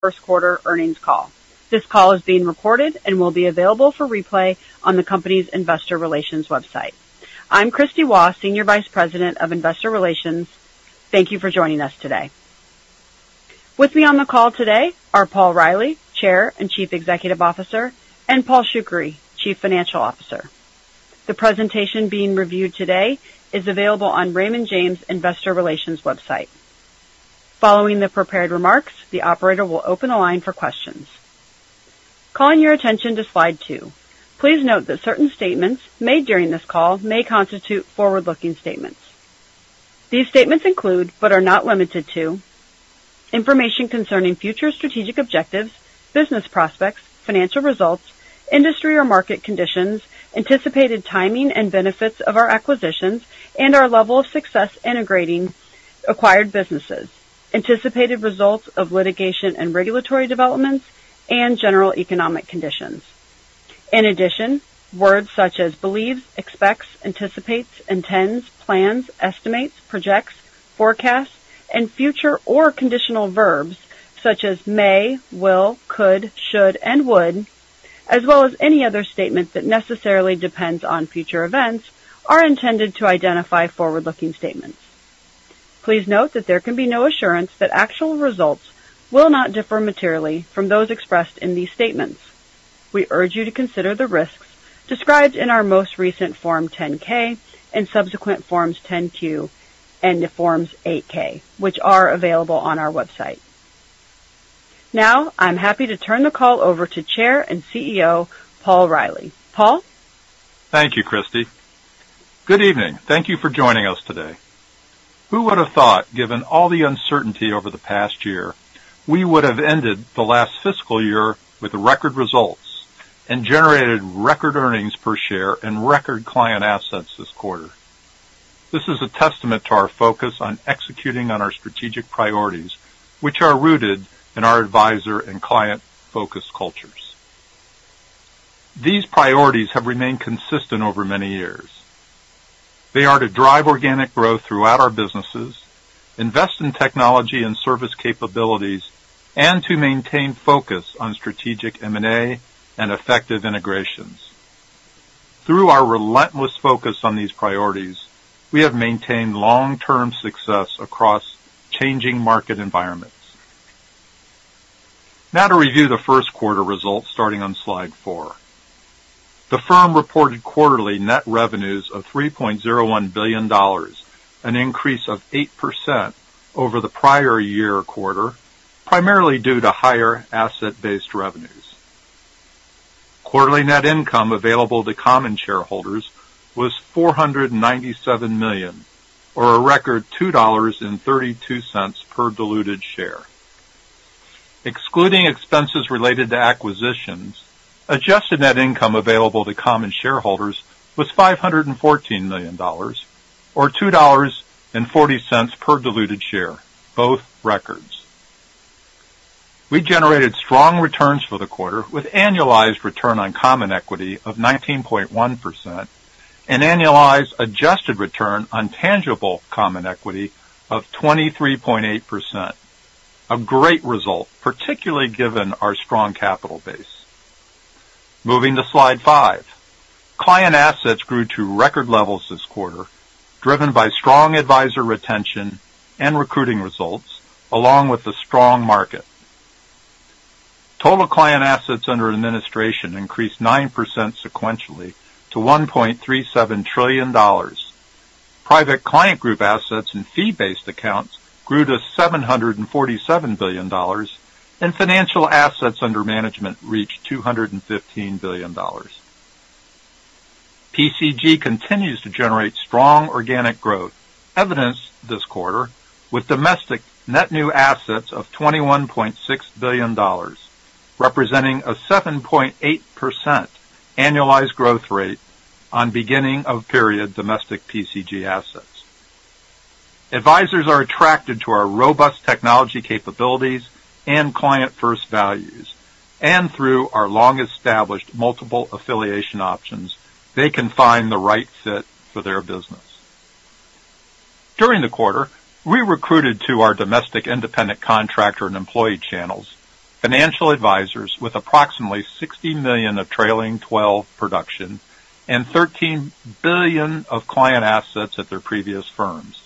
First quarter earnings call. This call is being recorded and will be available for replay on the company's investor relations website. I'm Kristie Waugh, Senior Vice President of Investor Relations. Thank you for joining us today. With me on the call today are Paul Reilly, Chair and Chief Executive Officer, and Paul Shoukry, Chief Financial Officer. The presentation being reviewed today is available on Raymond James' Investor Relations website. Following the prepared remarks, the operator will open the line for questions. Calling your attention to slide two. Please note that certain statements made during this call may constitute forward-looking statements. These statements include, but are not limited to, information concerning future strategic objectives, business prospects, financial results, industry or market conditions, anticipated timing and benefits of our acquisitions, and our level of success integrating acquired businesses, anticipated results of litigation and regulatory developments, and general economic conditions. In addition, words such as believes, expects, anticipates, intends, plans, estimates, projects, forecasts, and future or conditional verbs such as may, will, could, should, and would, as well as any other statements that necessarily depends on future events, are intended to identify forward-looking statements. Please note that there can be no assurance that actual results will not differ materially from those expressed in these statements. We urge you to consider the risks described in our most recent Form 10-K and subsequent Forms 10-Q and the Forms 8-K, which are available on our website. Now, I'm happy to turn the call over to Chair and CEO, Paul Reilly. Paul? Thank you, Kristie. Good evening. Thank you for joining us today. Who would have thought, given all the uncertainty over the past year, we would have ended the last fiscal year with record results and generated record earnings per share and record client assets this quarter? This is a testament to our focus on executing on our strategic priorities, which are rooted in our advisor and client-focused cultures. These priorities have remained consistent over many years. They are to drive organic growth throughout our businesses, invest in technology and service capabilities, and to maintain focus on strategic M&A and effective integrations. Through our relentless focus on these priorities, we have maintained long-term success across changing market environments. Now, to review the first quarter results, starting on slide four. The firm reported quarterly net revenues of $3.01 billion, an increase of 8% over the prior year quarter, primarily due to higher asset-based revenues. Quarterly net income available to common shareholders was $497 million, or a record $2.32 per diluted share. Excluding expenses related to acquisitions, adjusted net income available to common shareholders was $514 million, or $2.40 per diluted share. Both records. We generated strong returns for the quarter, with annualized return on common equity of 19.1% and annualized adjusted return on tangible common equity of 23.8%. A great result, particularly given our strong capital base. Moving to slide 5. Client assets grew to record levels this quarter, driven by strong advisor retention and recruiting results, along with the strong market. Total client assets under administration increased 9% sequentially to $1.37 trillion. Private Client Group assets and fee-based accounts grew to $747 billion, and financial assets under management reached $215 billion. PCG continues to generate strong organic growth, evidenced this quarter with domestic net new assets of $21.6 billion, representing a 7.8% annualized growth rate on beginning-of-period domestic PCG assets. Advisors are attracted to our robust technology capabilities and client-first values, and through our long-established multiple affiliation options, they can find the right fit for their business. During the quarter, we recruited to our domestic independent contractor and employee channels, financial advisors with approximately $60 million of trailing 12 production and $13 billion of client assets at their previous firms.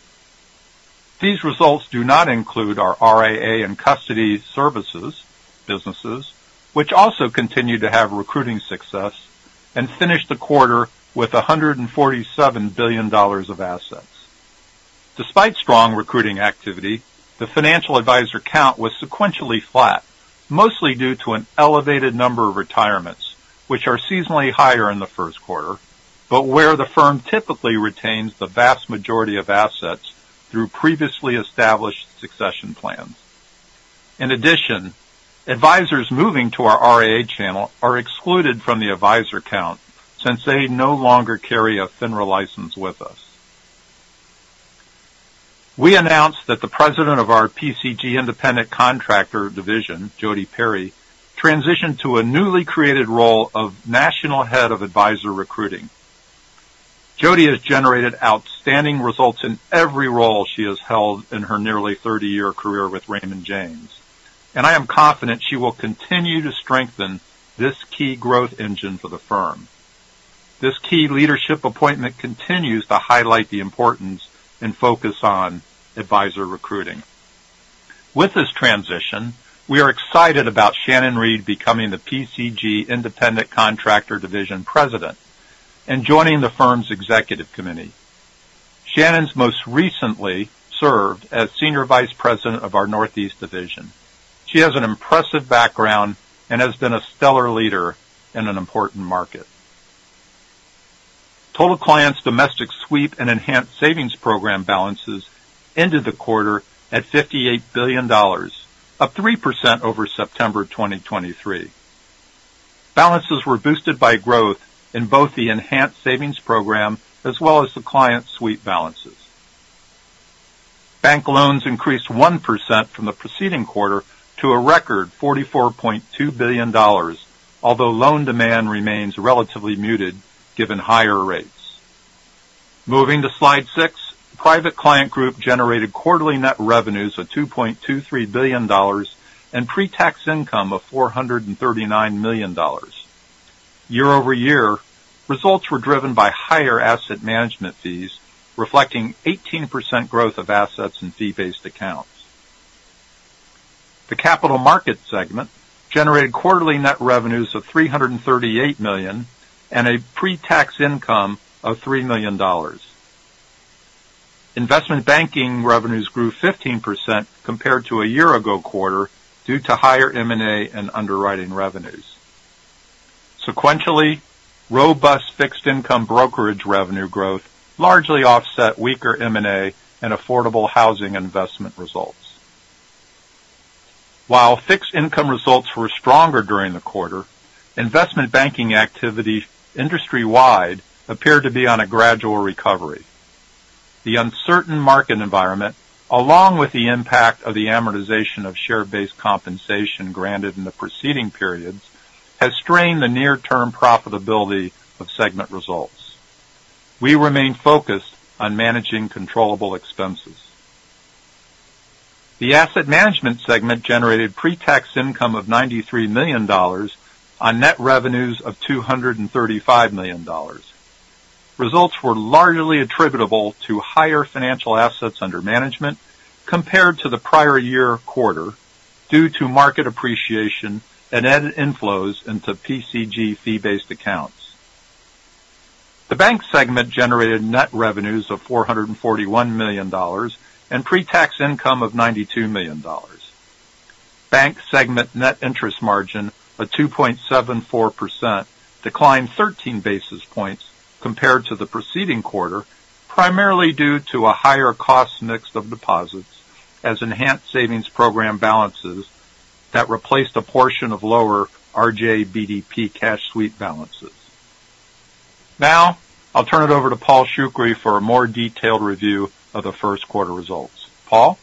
These results do not include our RIA and custody services businesses, which also continue to have recruiting success and finished the quarter with $147 billion of assets. Despite strong recruiting activity, the financial advisor count was sequentially flat, mostly due to an elevated number of retirements, which are seasonally higher in the first quarter, but where the firm typically retains the vast majority of assets through previously established succession plans. In addition, advisors moving to our RIA channel are excluded from the advisor count since they no longer carry a FINRA license with us. We announced that the President of our PCG Independent Contractor Division, Jodi Perry, transitioned to a newly created role of National Head of Advisor Recruiting.... Jodi has generated outstanding results in every role she has held in her nearly 30-year career with Raymond James, and I am confident she will continue to strengthen this key growth engine for the firm. This key leadership appointment continues to highlight the importance and focus on advisor recruiting. With this transition, we are excited about Shannon Reid becoming the PCG Independent Contractor Division President and joining the firm's executive committee. Shannon's most recently served as Senior Vice President of our Northeast Division. She has an impressive background and has been a stellar leader in an important market. Total client domestic sweep and Enhanced Savings Program balances ended the quarter at $58 billion, up 3% over September 2023. Balances were boosted by growth in both the Enhanced Savings Program as well as the client sweep balances. Bank loans increased 1% from the preceding quarter to a record $44.2 billion, although loan demand remains relatively muted given higher rates. Moving to Slide six, Private Client Group generated quarterly net revenues of $2.23 billion and pretax income of $439 million. Year-over-year results were driven by higher asset management fees, reflecting 18% growth of assets in fee-based accounts. The Capital Markets segment generated quarterly net revenues of $338 million and a pretax income of $3 million. Investment banking revenues grew 15% compared to a year ago quarter, due to higher M&A and underwriting revenues. Sequentially, robust fixed income brokerage revenue growth largely offset weaker M&A and affordable housing investment results. While fixed income results were stronger during the quarter, investment banking activity industry-wide appeared to be on a gradual recovery. The uncertain market environment, along with the impact of the amortization of share-based compensation granted in the preceding periods, has strained the near-term profitability of segment results. We remain focused on managing controllable expenses. The Asset Management segment generated pretax income of $93 million on net revenues of $235 million. Results were largely attributable to higher financial assets under management compared to the prior year quarter, due to market appreciation and net inflows into PCG fee-based accounts. The Bank segment generated net revenues of $441 million and pretax income of $92 million. Bank segment net interest margin of 2.74%, declined 13 basis points compared to the preceding quarter, primarily due to a higher cost mix of deposits as Enhanced Savings Program balances that replaced a portion of lower RJBDP cash sweep balances. Now, I'll turn it over to Paul Shoukry for a more detailed review of the first quarter results. Paul?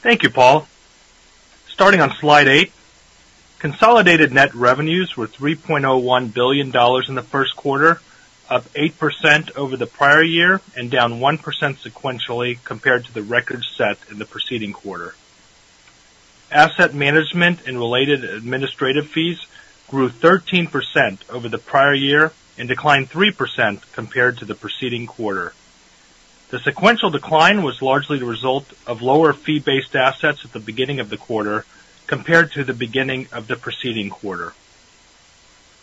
Thank you, Paul. Starting on slide eight, consolidated net revenues were $3.1 billion in the first quarter, up 8% over the prior year and down 1% sequentially compared to the record set in the preceding quarter. Asset management and related administrative fees grew 13% over the prior year and declined 3% compared to the preceding quarter. The sequential decline was largely the result of lower fee-based assets at the beginning of the quarter compared to the beginning of the preceding quarter.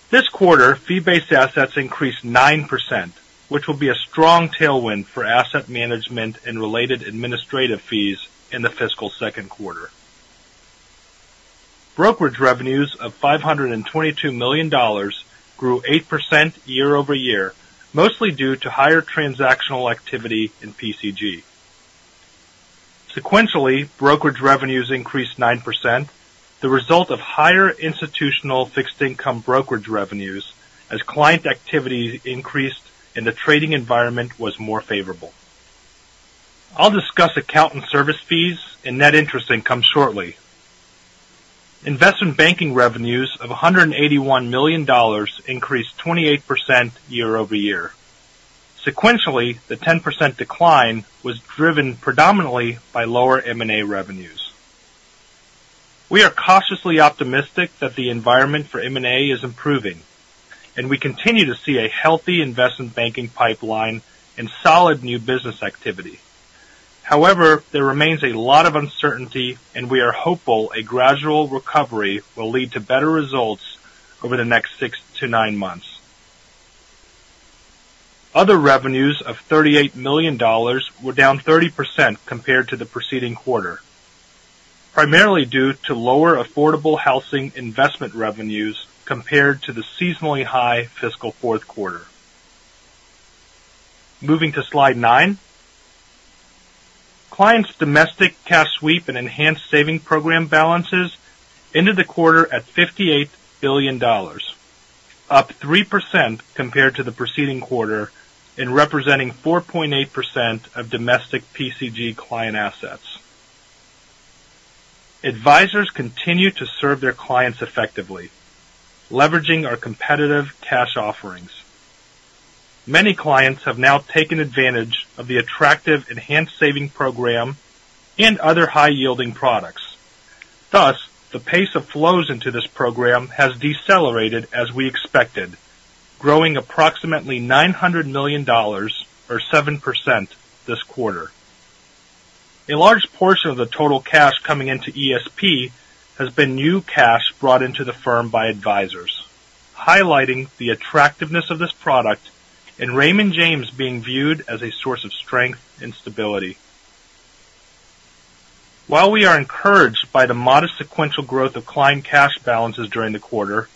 This quarter, fee-based assets increased 9%, which will be a strong tailwind for asset management and related administrative fees in the fiscal second quarter. Brokerage revenues of $522 million grew 8% year-over-year, mostly due to higher transactional activity in PCG. Sequentially, brokerage revenues increased 9%, the result of higher institutional fixed income brokerage revenues as client activity increased and the trading environment was more favorable. I'll discuss account and service fees and net interest income shortly. Investment banking revenues of $181 million increased 28% year-over-year. Sequentially, the 10% decline was driven predominantly by lower M&A revenues. We are cautiously optimistic that the environment for M&A is improving, and we continue to see a healthy investment banking pipeline and solid new business activity. However, there remains a lot of uncertainty and we are hopeful a gradual recovery will lead to better results over the next six to nine months. Other revenues of $38 million were down 30% compared to the preceding quarter, primarily due to lower affordable housing investment revenues compared to the seasonally high fiscal fourth quarter. Moving to Slide nine. Clients' domestic cash sweep and Enhanced Savings Program balances ended the quarter at $58 billion, up 3% compared to the preceding quarter, and representing 4.8% of domestic PCG client assets.... Advisors continue to serve their clients effectively, leveraging our competitive cash offerings. Many clients have now taken advantage of the attractive Enhanced Savings Program and other high-yielding products. Thus, the pace of flows into this program has decelerated as we expected, growing approximately $900 million or 7% this quarter. A large portion of the total cash coming into ESP has been new cash brought into the firm by advisors, highlighting the attractiveness of this product and Raymond James being viewed as a source of strength and stability. While we are encouraged by the modest sequential growth of client cash balances during the quarter,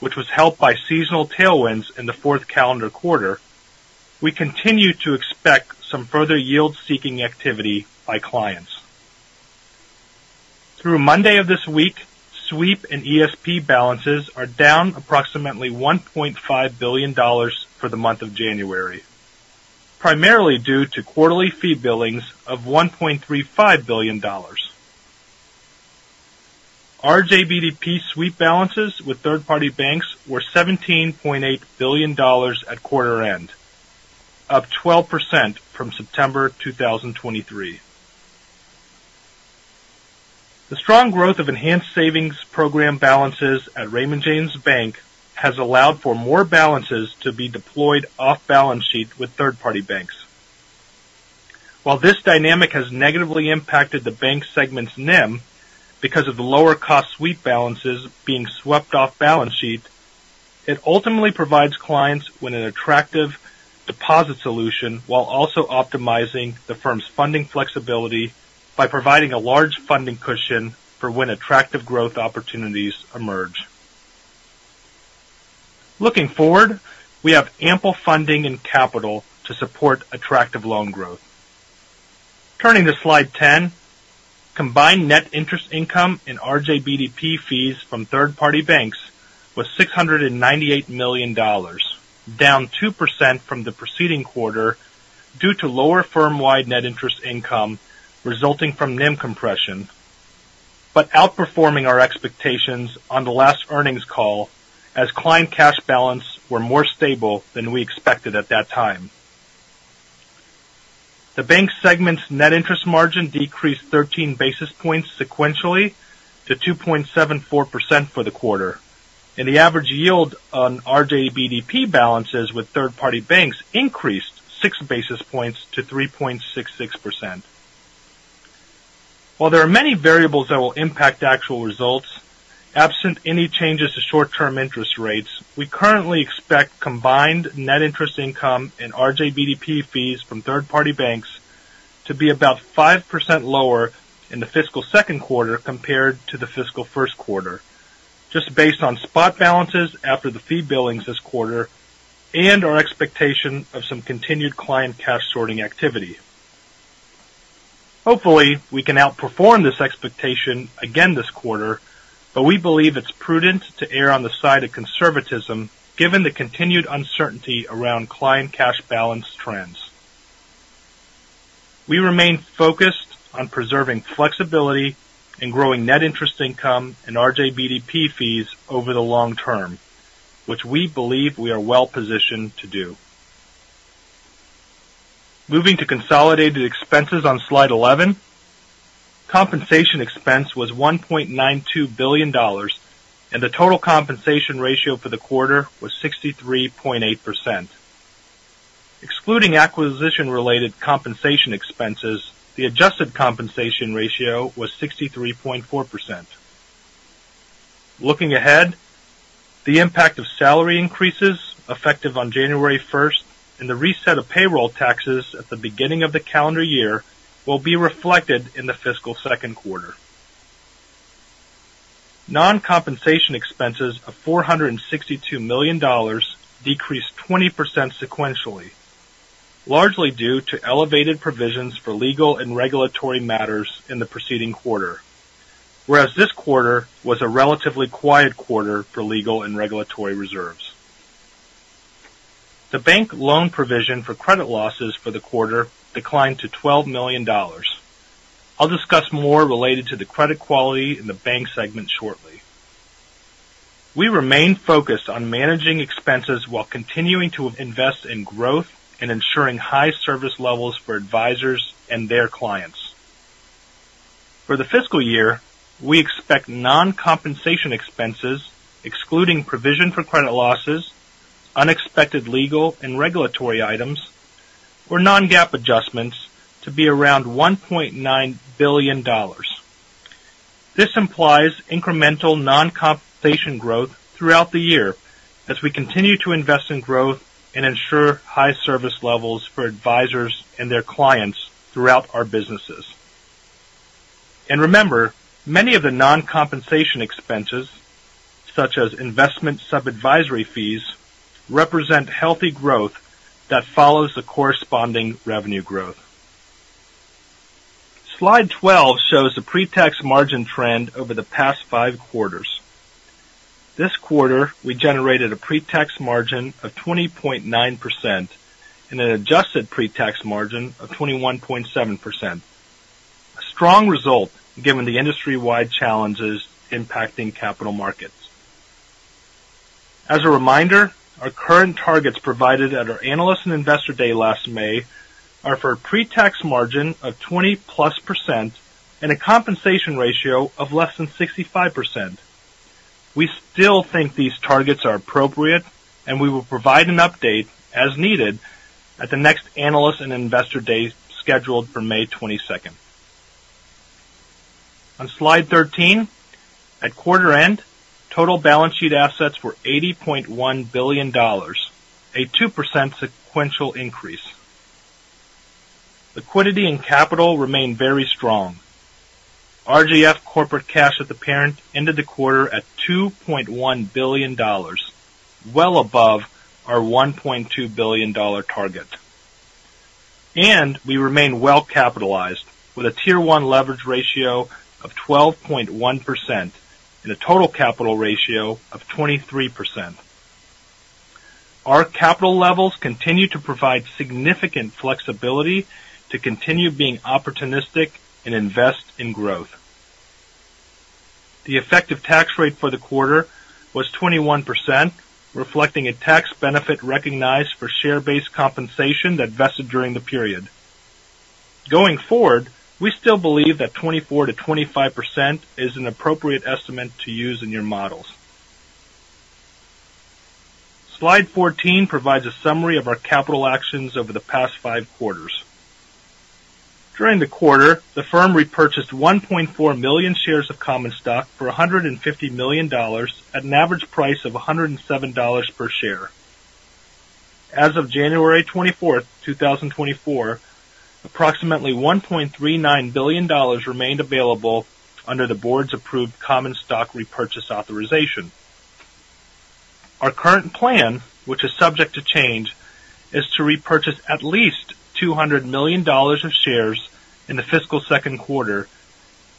which was helped by seasonal tailwinds in the fourth calendar quarter, we continue to expect some further yield-seeking activity by clients. Through Monday of this week, Sweep and ESP balances are down approximately $1.5 billion for the month of January, primarily due to quarterly fee billings of $1.35 billion. RJBDP Sweep balances with third-party banks were $17.8 billion at quarter end, up 12% from September 2023. The strong growth of Enhanced Savings Program balances at Raymond James Bank has allowed for more balances to be deployed off balance sheet with third-party banks. While this dynamic has negatively impacted the Bank segment's NIM because of the lower-cost sweep balances being swept off balance sheet, it ultimately provides clients with an attractive deposit solution while also optimizing the firm's funding flexibility by providing a large funding cushion for when attractive growth opportunities emerge. Looking forward, we have ample funding and capital to support attractive loan growth. Turning to slide 10. Combined net interest income and RJBDP fees from third-party banks was $698 million, down 2% from the preceding quarter due to lower firm-wide net interest income resulting from NIM compression, but outperforming our expectations on the last earnings call as client cash balances were more stable than we expected at that time. The Bank segment's net interest margin decreased 13 basis points sequentially to 2.74% for the quarter, and the average yield on RJBDP balances with third-party banks increased 6 basis points to 3.66%. While there are many variables that will impact actual results, absent any changes to short-term interest rates, we currently expect combined net interest income and RJBDP fees from third-party banks to be about 5% lower in the fiscal second quarter compared to the fiscal first quarter, just based on spot balances after the fee billings this quarter and our expectation of some continued client cash sorting activity. Hopefully, we can outperform this expectation again this quarter, but we believe it's prudent to err on the side of conservatism, given the continued uncertainty around client cash balance trends. We remain focused on preserving flexibility and growing net interest income and RJBDP fees over the long term, which we believe we are well positioned to do. Moving to consolidated expenses on slide 11. Compensation expense was $1.92 billion, and the total compensation ratio for the quarter was 63.8%. Excluding acquisition-related compensation expenses, the adjusted compensation ratio was 63.4%. Looking ahead, the impact of salary increases effective on January 1st, and the reset of payroll taxes at the beginning of the calendar year will be reflected in the fiscal second quarter. Non-compensation expenses of $462 million decreased 20% sequentially, largely due to elevated provisions for legal and regulatory matters in the preceding quarter, whereas this quarter was a relatively quiet quarter for legal and regulatory reserves. The bank loan provision for credit losses for the quarter declined to $12 million. I'll discuss more related to the credit quality in the Bank segment shortly. We remain focused on managing expenses while continuing to invest in growth and ensuring high service levels for advisors and their clients. For the fiscal year, we expect non-compensation expenses, excluding provision for credit losses, unexpected legal and regulatory items, or non-GAAP adjustments, to be around $1.9 billion. This implies incremental non-compensation growth throughout the year as we continue to invest in growth and ensure high service levels for advisors and their clients throughout our businesses. And remember, many of the non-compensation expenses, such as investment sub-advisory fees, represent healthy growth that follows the corresponding revenue growth. Slide 12 shows the pre-tax margin trend over the past five quarters. This quarter, we generated a pretax margin of 20.9% and an adjusted pretax margin of 21.7%. A strong result, given the industry-wide challenges impacting capital markets. As a reminder, our current targets provided at our Analyst and Investor Day last May, are for a pretax margin of 20+% and a compensation ratio of less than 65%. We still think these targets are appropriate, and we will provide an update as needed at the next Analyst and Investor Day, scheduled for May 22. On slide 13, at quarter-end, total balance sheet assets were $80.1 billion, a 2% sequential increase. Liquidity and capital remain very strong. RJF corporate cash at the parent ended the quarter at $2.1 billion, well above our $1.2 billion dollar target. We remain well capitalized, with a Tier 1 leverage ratio of 12.1% and a total capital ratio of 23%. Our capital levels continue to provide significant flexibility to continue being opportunistic and invest in growth. The effective tax rate for the quarter was 21%, reflecting a tax benefit recognized for share-based compensation that vested during the period. Going forward, we still believe that 24%-25% is an appropriate estimate to use in your models. Slide 14 provides a summary of our capital actions over the past five quarters. During the quarter, the firm repurchased 1.4 million shares of common stock for $150 million at an average price of $107 per share. As of January 24, 2024, approximately $1.39 billion remained available under the board's approved common stock repurchase authorization. Our current plan, which is subject to change, is to repurchase at least $200 million of shares in the fiscal second quarter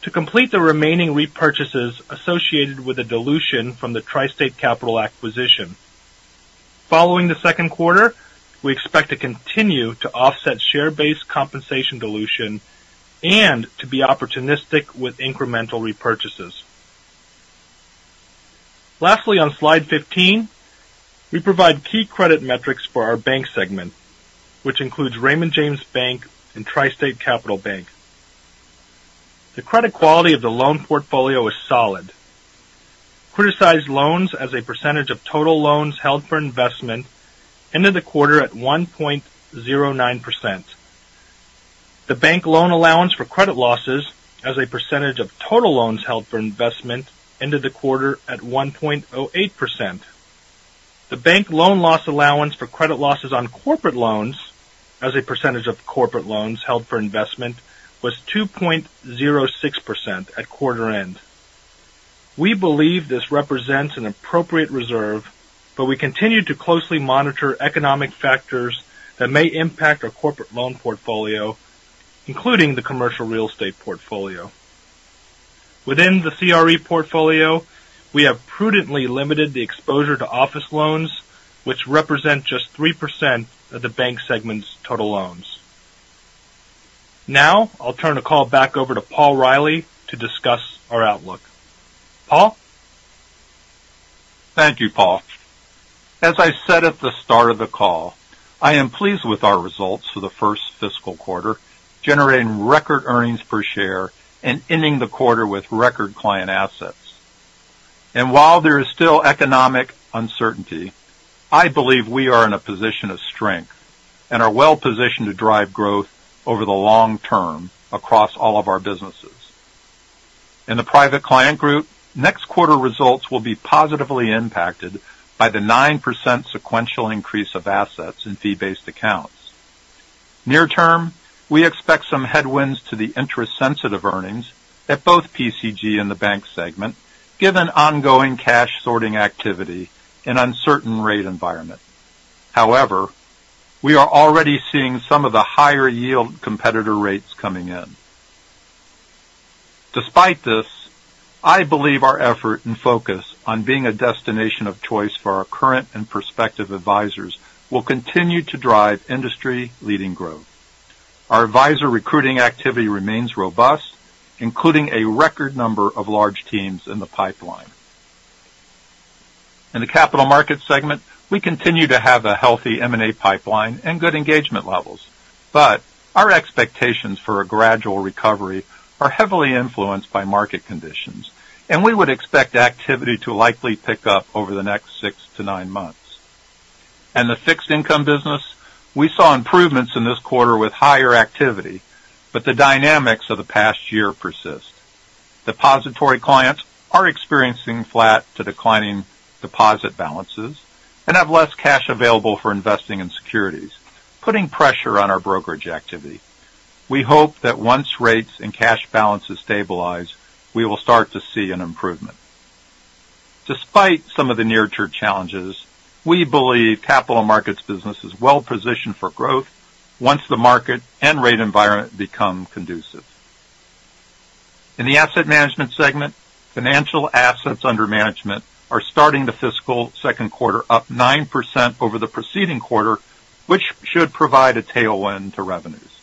to complete the remaining repurchases associated with the dilution from the TriState Capital acquisition. Following the second quarter, we expect to continue to offset share-based compensation dilution and to be opportunistic with incremental repurchases. Lastly, on slide 15, we provide key credit metrics for our Bank segment, which includes Raymond James Bank and TriState Capital Bank. The credit quality of the loan portfolio is solid. Criticized loans as a percentage of total loans held for investment ended the quarter at 1.09%. The bank loan allowance for credit losses as a percentage of total loans held for investment ended the quarter at 1.08%. The bank loan loss allowance for credit losses on corporate loans, as a percentage of corporate loans held for investment, was 2.06% at quarter end. We believe this represents an appropriate reserve, but we continue to closely monitor economic factors that may impact our corporate loan portfolio, including the commercial real estate portfolio. Within the CRE portfolio, we have prudently limited the exposure to office loans, which represent just 3% of the Bank segment's total loans. Now, I'll turn the call back over to Paul Reilly to discuss our outlook. Paul? Thank you, Paul. As I said at the start of the call, I am pleased with our results for the first fiscal quarter, generating record earnings per share and ending the quarter with record client assets. While there is still economic uncertainty, I believe we are in a position of strength and are well positioned to drive growth over the long term across all of our businesses. In the Private Client Group, next quarter results will be positively impacted by the 9% sequential increase of assets in fee-based accounts. Near term, we expect some headwinds to the interest-sensitive earnings at both PCG and the Bank segment, given ongoing cash sorting activity and uncertain rate environment. However, we are already seeing some of the higher yield competitor rates coming in. Despite this, I believe our effort and focus on being a destination of choice for our current and prospective advisors will continue to drive industry-leading growth. Our advisor recruiting activity remains robust, including a record number of large teams in the pipeline. In the Capital Markets segment, we continue to have a healthy M&A pipeline and good engagement levels, but our expectations for a gradual recovery are heavily influenced by market conditions, and we would expect activity to likely pick up over the next six to nine months. In the fixed income business, we saw improvements in this quarter with higher activity, but the dynamics of the past year persist. Depository clients are experiencing flat to declining deposit balances and have less cash available for investing in securities, putting pressure on our brokerage activity. We hope that once rates and cash balances stabilize, we will start to see an improvement. Despite some of the near-term challenges, we believe capital markets business is well positioned for growth once the market and rate environment become conducive. ...In the Asset Management segment, financial assets under management are starting the fiscal second quarter up 9% over the preceding quarter, which should provide a tailwind to revenues.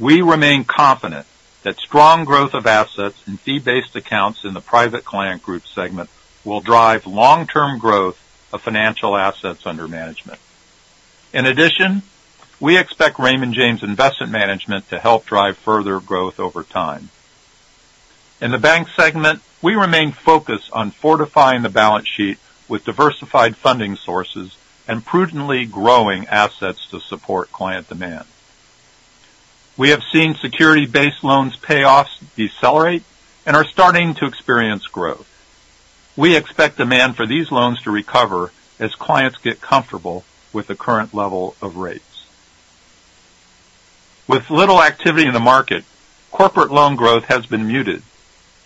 We remain confident that strong growth of assets and fee-based accounts in the Private Client Group segment will drive long-term growth of financial assets under management. In addition, we expect Raymond James Investment Management to help drive further growth over time. In the Bank segment, we remain focused on fortifying the balance sheet with diversified funding sources and prudently growing assets to support client demand. We have seen securities-based loans payoffs decelerate and are starting to experience growth. We expect demand for these loans to recover as clients get comfortable with the current level of rates. With little activity in the market, corporate loan growth has been muted.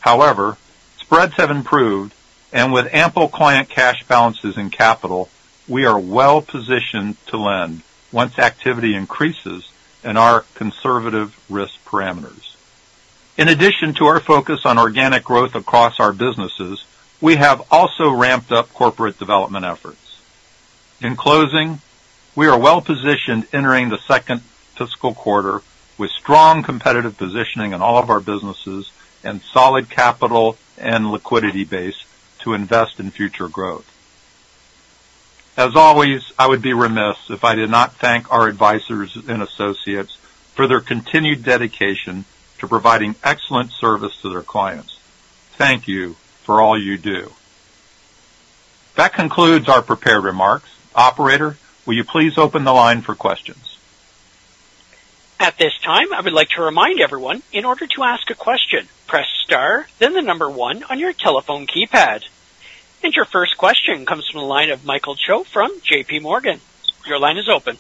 However, spreads have improved, and with ample client cash balances and capital, we are well positioned to lend once activity increases in our conservative risk parameters. In addition to our focus on organic growth across our businesses, we have also ramped up corporate development efforts. In closing, we are well positioned entering the second fiscal quarter with strong competitive positioning in all of our businesses and solid capital and liquidity base to invest in future growth. As always, I would be remiss if I did not thank our advisors and associates for their continued dedication to providing excellent service to their clients. Thank you for all you do. That concludes our prepared remarks. Operator, will you please open the line for questions? At this time, I would like to remind everyone, in order to ask a question, press star, then the number one on your telephone keypad. Your first question comes from the line of Michael Cho from JPMorgan. Your line is open.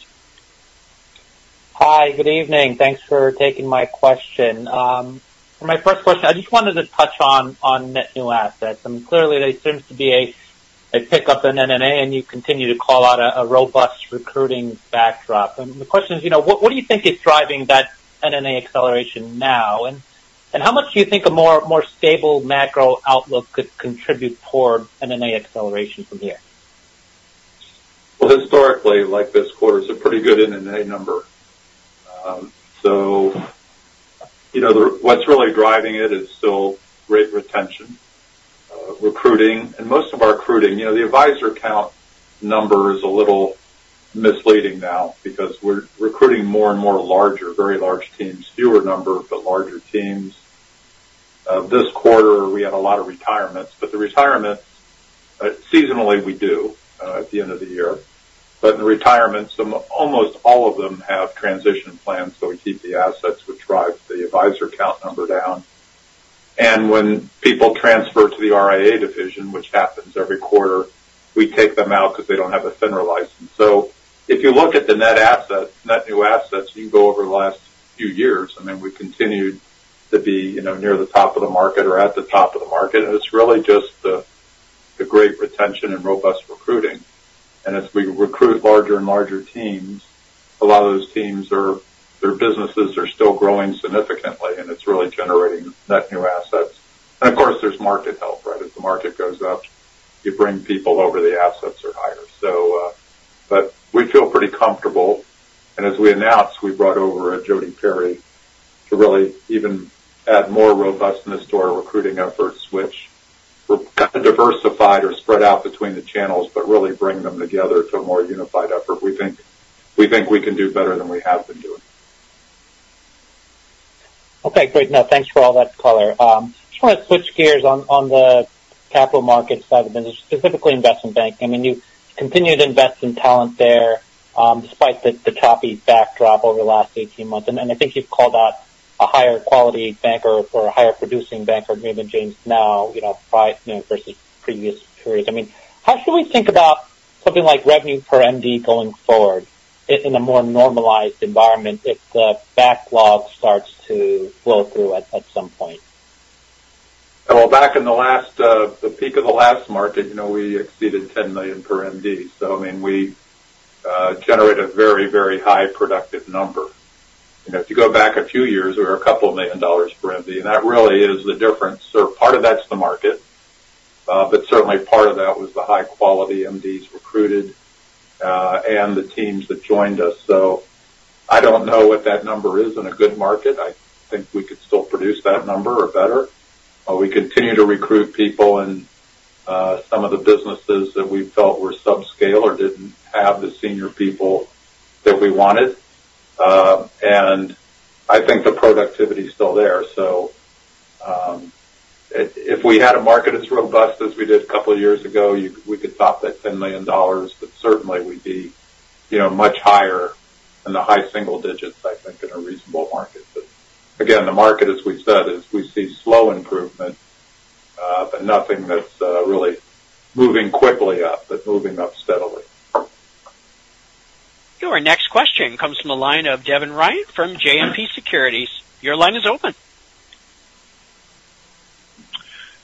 Hi, good evening. Thanks for taking my question. For my first question, I just wanted to touch on net new assets, and clearly there seems to be a pickup in NNA, and you continue to call out a robust recruiting backdrop. And the question is, you know, what do you think is driving that NNA acceleration now? And how much do you think a more stable macro outlook could contribute toward NNA acceleration from here? Well, historically, like, this quarter is a pretty good NNA number. So you know, what's really driving it is still great retention, recruiting, and most of our recruiting, you know, the advisor count number is a little misleading now because we're recruiting more and more larger, very large teams, fewer number, but larger teams. This quarter, we had a lot of retirements, but the retirements, seasonally, we do, at the end of the year. But in the retirements, almost all of them have transition plans, so we keep the assets, which drives the advisor count number down. And when people transfer to the RIA division, which happens every quarter, we take them out because they don't have a federal license. So if you look at the net assets, net new assets, you go over the last few years, and then we continued to be, you know, near the top of the market or at the top of the market, and it's really just the great retention and robust recruiting. And as we recruit larger and larger teams, a lot of those teams are, their businesses are still growing significantly, and it's really generating net new assets. And of course, there's market help, right? As the market goes up, you bring people over, the assets are higher. So, but we feel pretty comfortable, and as we announced, we brought over Jodi Perry to really even add more robustness to our recruiting efforts, which were kind of diversified or spread out between the channels, but really bring them together to a more unified effort. We think, we think we can do better than we have been doing. Okay, great. Now, thanks for all that color. I just want to switch gears on the capital markets side of the business, specifically investment banking. I mean, you continue to invest in talent there, despite the choppy backdrop over the last 18 months. And I think you've called out a higher quality banker or a higher producing banker at Raymond James now, you know, five, you know, versus previous periods. I mean, how should we think about something like revenue per MD going forward in a more normalized environment if the backlog starts to flow through at some point? Well, back in the last, the peak of the last market, you know, we exceeded $10 million per MD. So, I mean, we generate a very, very high productive number. You know, if you go back a few years, we were a couple of $1 million per MD, and that really is the difference, or part of that's the market. But certainly part of that was the high-quality MDs recruited, and the teams that joined us. So I don't know what that number is in a good market. I think we could still produce that number or better. We continue to recruit people in, some of the businesses that we felt were subscale or didn't have the senior people that we wanted. And I think the productivity is still there. So, if we had a market as robust as we did a couple of years ago, we could top that $10 million, but certainly we'd be, you know, much higher in the high single digits, I think, in a reasonable market. But again, the market, as we've said, is we see slow improvement, but nothing that's really moving quickly up, but moving up steadily. Your next question comes from the line of Devin Ryan from JMP Securities. Your line is open.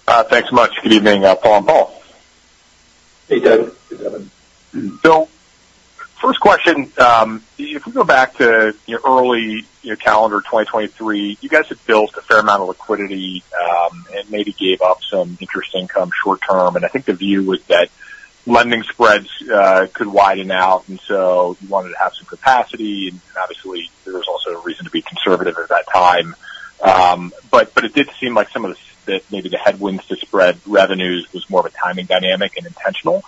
Thanks much. Good evening, Paul and Paul. Hey, Devin. Hey, Devin. So first question, if we go back to your early, your calendar 2023, you guys had built a fair amount of liquidity, and maybe gave up some interest income short term. And I think the view was that lending spreads could widen out, and so you wanted to have some capacity, and obviously, there was also a reason to be conservative at that time. But it did seem like some of the that maybe the headwinds to spread revenues was more of a timing dynamic and intentional.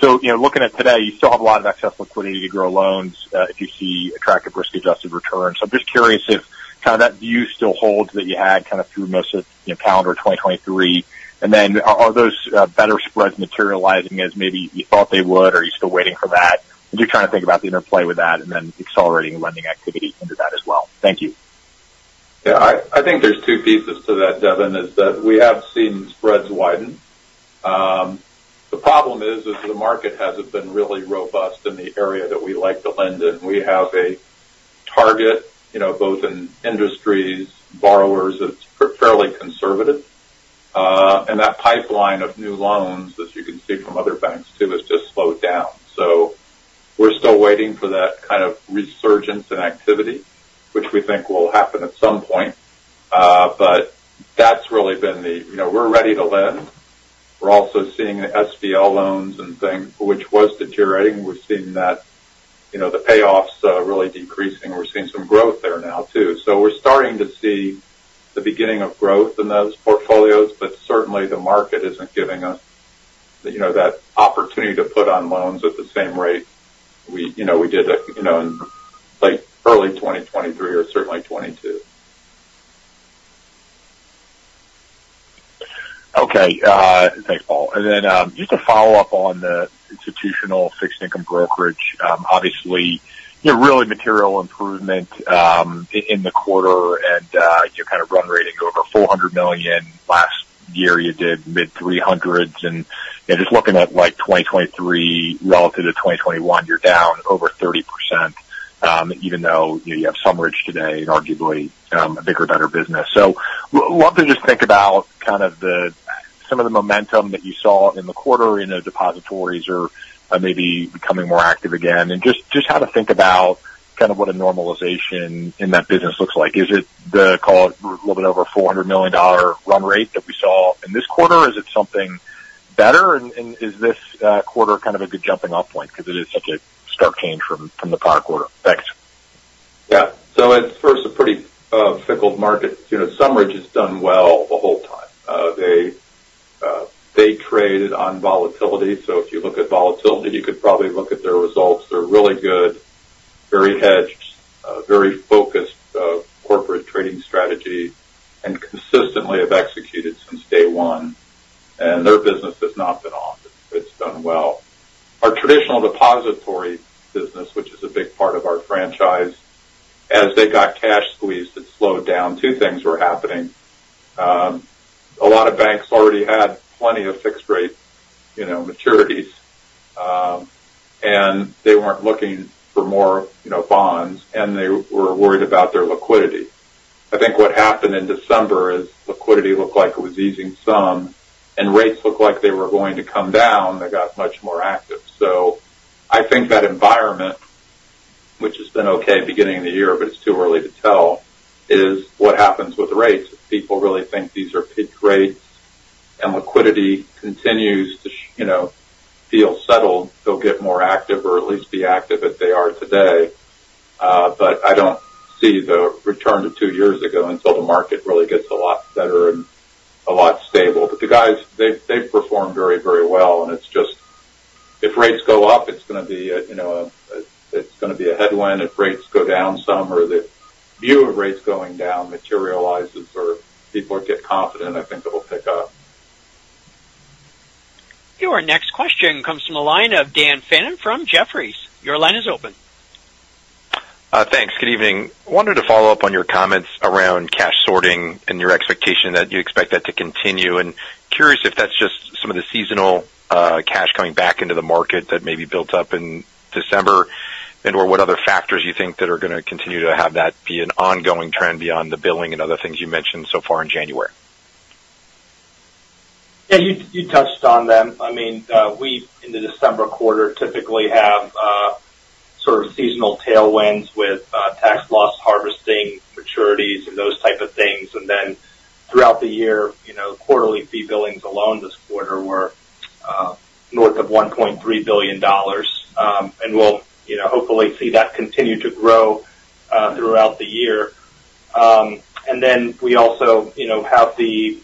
So, you know, looking at today, you still have a lot of excess liquidity to grow loans, if you see attractive risk-adjusted returns. So I'm just curious if kind of that view still holds that you had kind of through most of, you know, calendar 2023. And then are those better spreads materializing as maybe you thought they would, or are you still waiting for that? I'm just trying to think about the interplay with that and then accelerating lending activity into that as well. Thank you. Yeah, I think there's two pieces to that, Devin, is that we have seen spreads widen. The problem is the market hasn't been really robust in the area that we like to lend in. We have a target, you know, both in industries, borrowers, that's fairly conservative. And that pipeline of new loans, as you can see from other banks, too, has just slowed down. So we're still waiting for that kind of resurgence in activity, which we think will happen at some point. But that's really been the... You know, we're ready to lend. We're also seeing the SBL loans and things, which was deteriorating. We're seeing that, you know, the payoffs really decreasing. We're seeing some growth there now, too. We're starting to see the beginning of growth in those portfolios, but certainly, the market isn't giving us, you know, that opportunity to put on loans at the same rate we, you know, we did, you know, in, like, early 2023 or certainly 2022. Okay. Thanks, Paul. Then, just to follow up on the institutional fixed income brokerage, obviously, you know, really material improvement in the quarter and you're kind of run rate over $400 million. Last year, you did mid $300s, and, yeah, just looking at, like, 2023 relative to 2021, you're down over 30%, even though you have SumRidge today, and arguably a bigger, better business. So would love to just think about kind of the some of the momentum that you saw in the quarter in the depositories or maybe becoming more active again, and just how to think about kind of what a normalization in that business looks like. Is it, call it a little bit over $400 million run rate that we saw in this quarter, or is it something better? And is this quarter kind of a good jumping off point? Because it is such a stark change from the prior quarter. Thanks. Yeah. So it's first a pretty fickle market. You know, SumRidge has done well the whole time. They traded on volatility. So if you look at volatility, you could probably look at their results. They're really good, very hedged, very focused corporate trading strategy, and consistently have executed since day one, and their business has not been off. It's done well. Our traditional depository business, which is a big part of our franchise, as they got cash squeezed, it slowed down. Two things were happening. A lot of banks already had plenty of fixed rate, you know, maturities, and they weren't looking for more, you know, bonds, and they were worried about their liquidity. I think what happened in December is liquidity looked like it was easing some, and rates looked like they were going to come down. They got much more active. So I think that environment, which has been okay beginning of the year, but it's too early to tell, is what happens with rates. If people really think these are peak rates and liquidity continues to you know, feel settled, they'll get more active or at least be active as they are today. But I don't see the return to two years ago until the market really gets a lot better and a lot stable. But the guys, they've, they've performed very, very well, and it's just... If rates go up, it's going to be a, you know, a, it's going to be a headwind. If rates go down some or the view of rates going down materializes or people get confident, I think it will pick up. Your next question comes from the line of Dan Fannon from Jefferies. Your line is open. Thanks. Good evening. Wanted to follow up on your comments around cash sorting and your expectation that you expect that to continue. And curious if that's just some of the seasonal cash coming back into the market that maybe built up in December, and/or what other factors you think that are going to continue to have that be an ongoing trend beyond the billing and other things you mentioned so far in January? Yeah, you touched on them. I mean, we in the December quarter typically have sort of seasonal tailwinds with tax loss harvesting, maturities, and those type of things. And then throughout the year, you know, quarterly fee billings alone this quarter were north of $1.3 billion. And we'll, you know, hopefully see that continue to grow throughout the year. And then we also, you know, have the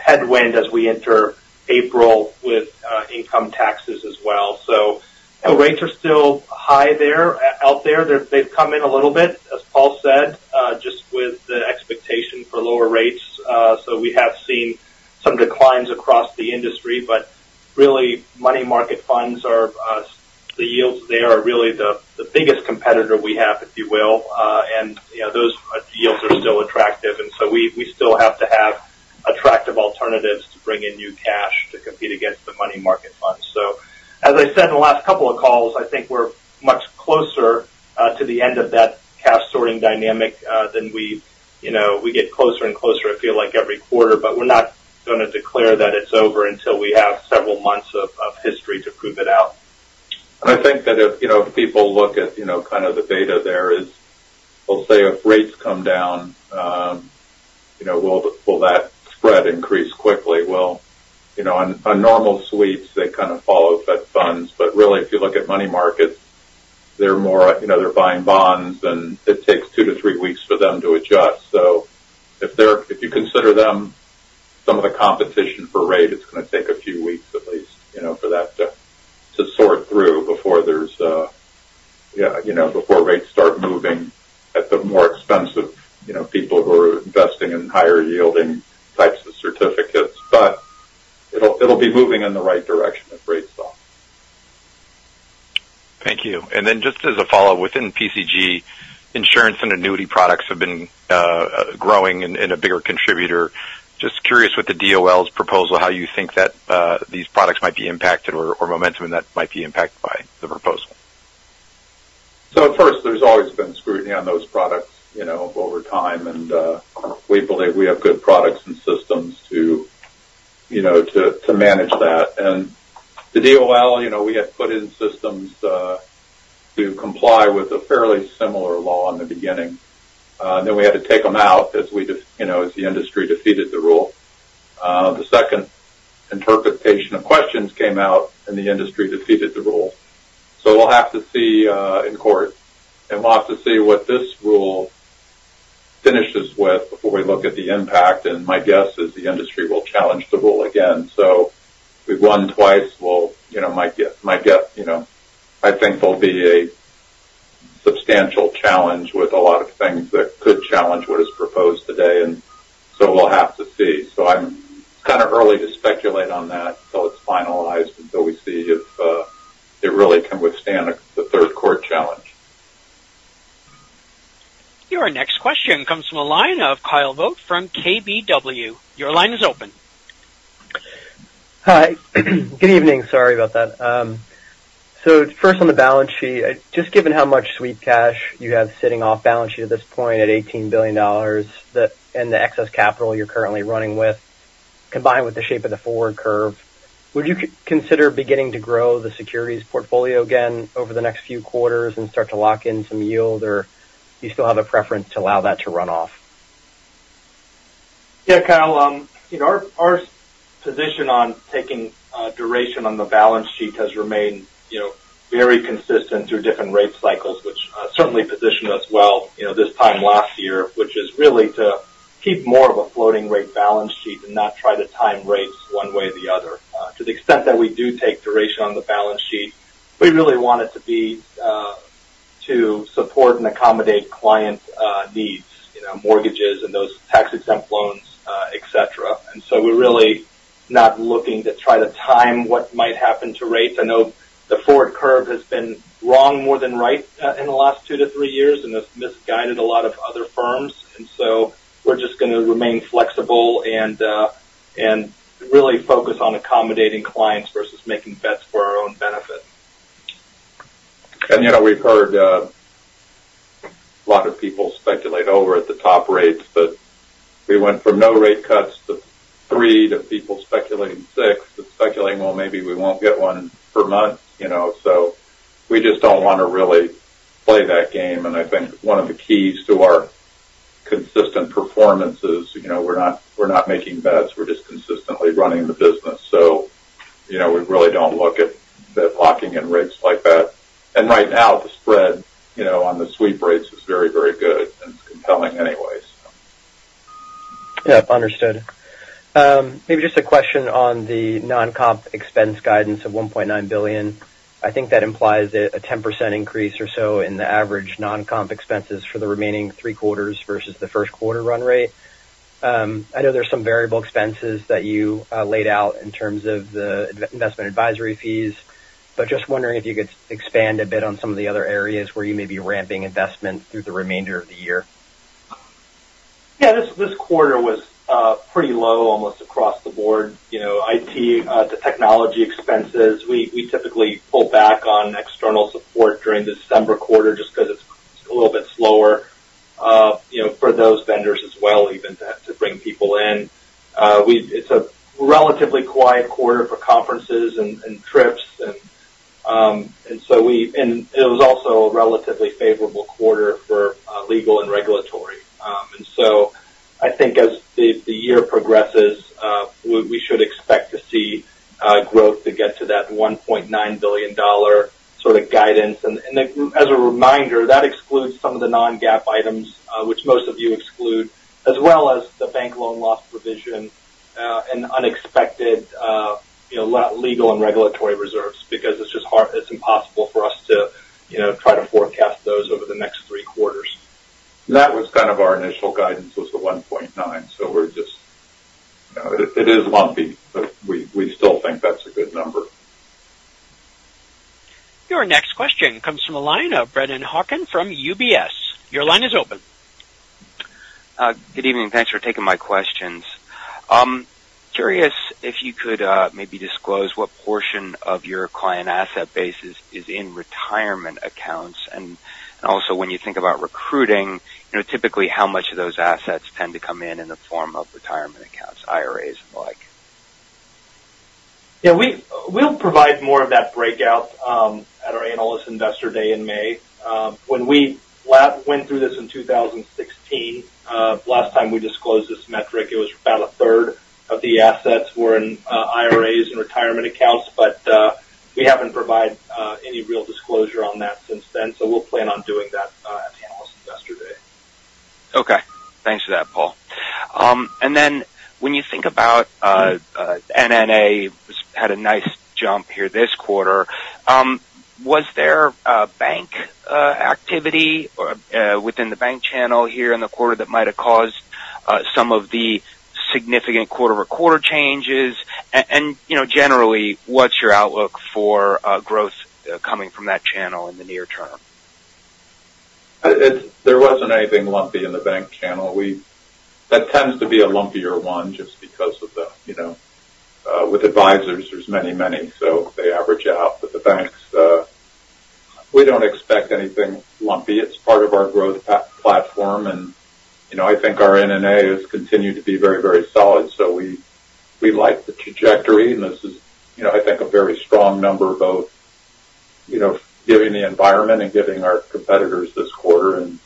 headwind as we enter April with income taxes as well. So rates are still high there, out there. They've come in a little bit, as Paul said, just with the expectation for lower rates. So we have seen some declines across the industry, but really, money market funds are the yields there are really the biggest competitor we have, if you will. You know, those yields are still attractive, and so we still have to have attractive alternatives to bring in new cash to compete against the money market funds. As I said in the last couple of calls, I think we're much closer to the end of that sorting dynamic than we, you know, get closer and closer. I feel like every quarter, but we're not gonna declare that it's over until we have several months of history to prove it out. I think that if, you know, people look at, you know, kind of the data there is, we'll say, if rates come down, you know, will that spread increase quickly? Well, you know, on normal sweeps, they kind of follow Fed funds. But really, if you look at money markets, they're more, you know, they're buying bonds, and it takes two-three weeks for them to adjust. So if you consider them some of the competition for rate, it's going to take a few weeks at least, you know, for that to sort through before there's, you know, before rates start moving at the more expensive, you know, people who are investing in higher yielding types of certificates. But it'll be moving in the right direction if rates fall. Thank you. Then just as a follow-up, within PCG, insurance and annuity products have been growing and a bigger contributor. Just curious, with the DOL's proposal, how you think that these products might be impacted or momentum, and that might be impacted by the proposal? So first, there's always been scrutiny on those products, you know, over time, and we believe we have good products and systems to, you know, to manage that. And the DOL, you know, we had put in systems to comply with a fairly similar law in the beginning. Then we had to take them out as we just, you know, as the industry defeated the rule. The second interpretation of questions came out, and the industry defeated the rule. So we'll have to see in court, and we'll have to see what this rule finishes with before we look at the impact, and my guess is the industry will challenge the rule again. So we've won twice. We'll... You know, my guess, my guess, you know, I think there'll be a substantial challenge with a lot of things that could challenge what is proposed today, and so we'll have to see. So I'm kind of early to speculate on that until it's finalized, until we see if it really can withstand the third court challenge. Your next question comes from the line of Kyle Voigt from KBW. Your line is open. Hi. Good evening. Sorry about that. So first on the balance sheet, just given how much sweep cash you have sitting off balance sheet at this point, at $18 billion, and the excess capital you're currently running with, combined with the shape of the forward curve, would you consider beginning to grow the securities portfolio again over the next few quarters and start to lock in some yield, or do you still have a preference to allow that to run off? Yeah, Kyle, you know, our position on taking duration on the balance sheet has remained, you know, very consistent through different rate cycles, which certainly positioned us well, you know, this time last year, which is really to keep more of a floating rate balance sheet and not try to time rates one way or the other. To the extent that we do take duration on the balance sheet, we really want it to be to support and accommodate client needs, you know, mortgages and those tax-exempt loans, et cetera. And so we're really not looking to try to time what might happen to rates. I know the forward curve has been wrong more than right in the last two-three years and has misguided a lot of other firms. And so we're just gonna remain flexible and really focus on accommodating clients versus making bets for our own benefit. You know, we've heard a lot of people speculate over at the top rates, but we went from no rate cuts to three, to people speculating six, to speculating, well, maybe we won't get one per month, you know. So we just don't want to really play that game, and I think one of the keys to our consistent performance is, you know, we're not, we're not making bets. We're just consistently running the business. So, you know, we really don't look at the locking in rates like that. And right now, the spread, you know, on the sweep rates is very, very good and compelling anyways. Yeah, understood. Maybe just a question on the non-comp expense guidance of $1.9 billion. I think that implies a 10% increase or so in the average non-comp expenses for the remaining three quarters versus the first quarter run rate. I know there's some variable expenses that you laid out in terms of the investment advisory fees, but just wondering if you could expand a bit on some of the other areas where you may be ramping investments through the remainder of the year. Yeah, this quarter was pretty low, almost across the board. You know, IT, the technology expenses, we typically pull back on external support during the December quarter just because it's a little bit slower, you know, for those vendors as well, even to bring people in. It's a relatively quiet quarter for conferences and trips, and so we-- And it was also a relatively favorable quarter for legal and regulatory. And so I think as the year progresses, we should expect to see growth to get to that $1.9 billion sort of guidance. As a reminder, that excludes some of the non-GAAP items, which most of you exclude, as well as the bank loan loss provision, and unexpected, you know, legal and regulatory reserves, because it's just hard, it's impossible for us to, you know, try to forecast those over the next three quarters. That was kind of our initial guidance, was the 1.9. So we're just... it, it is lumpy, but we, we still think that's a good number. Your next question comes from the line of Brennan Hawken from UBS. Your line is open. Good evening. Thanks for taking my questions. Curious if you could maybe disclose what portion of your client asset base is in retirement accounts. And also, when you think about recruiting, you know, typically, how much of those assets tend to come in the form of retirement accounts, IRAs, and the like? Yeah, we'll provide more of that breakout at our Analyst Investor Day in May. When we last went through this in 2016, the last time we disclosed this metric, it was about 1/3 of the assets were in IRAs and retirement accounts. But we haven't provided any real disclosure on that since then, so we'll plan on doing that at the Analyst Investor Day. Okay. Thanks for that, Paul. And then when you think about NNA, which had a nice jump here this quarter, was there bank activity or within the bank channel here in the quarter that might have caused some of the significant quarter-over-quarter changes? And, you know, generally, what's your outlook for growth coming from that channel in the near term? It's there wasn't anything lumpy in the bank channel. That tends to be a lumpier one just because of the, you know, with advisors, there's many, many, so they average out. But the banks, we don't expect anything lumpy. It's part of our growth platform. And, you know, I think our NNA has continued to be very, very solid. So we, we like the trajectory, and this is, you know, I think, a very strong number, both, you know, given the environment and giving our competitors this quarter, and,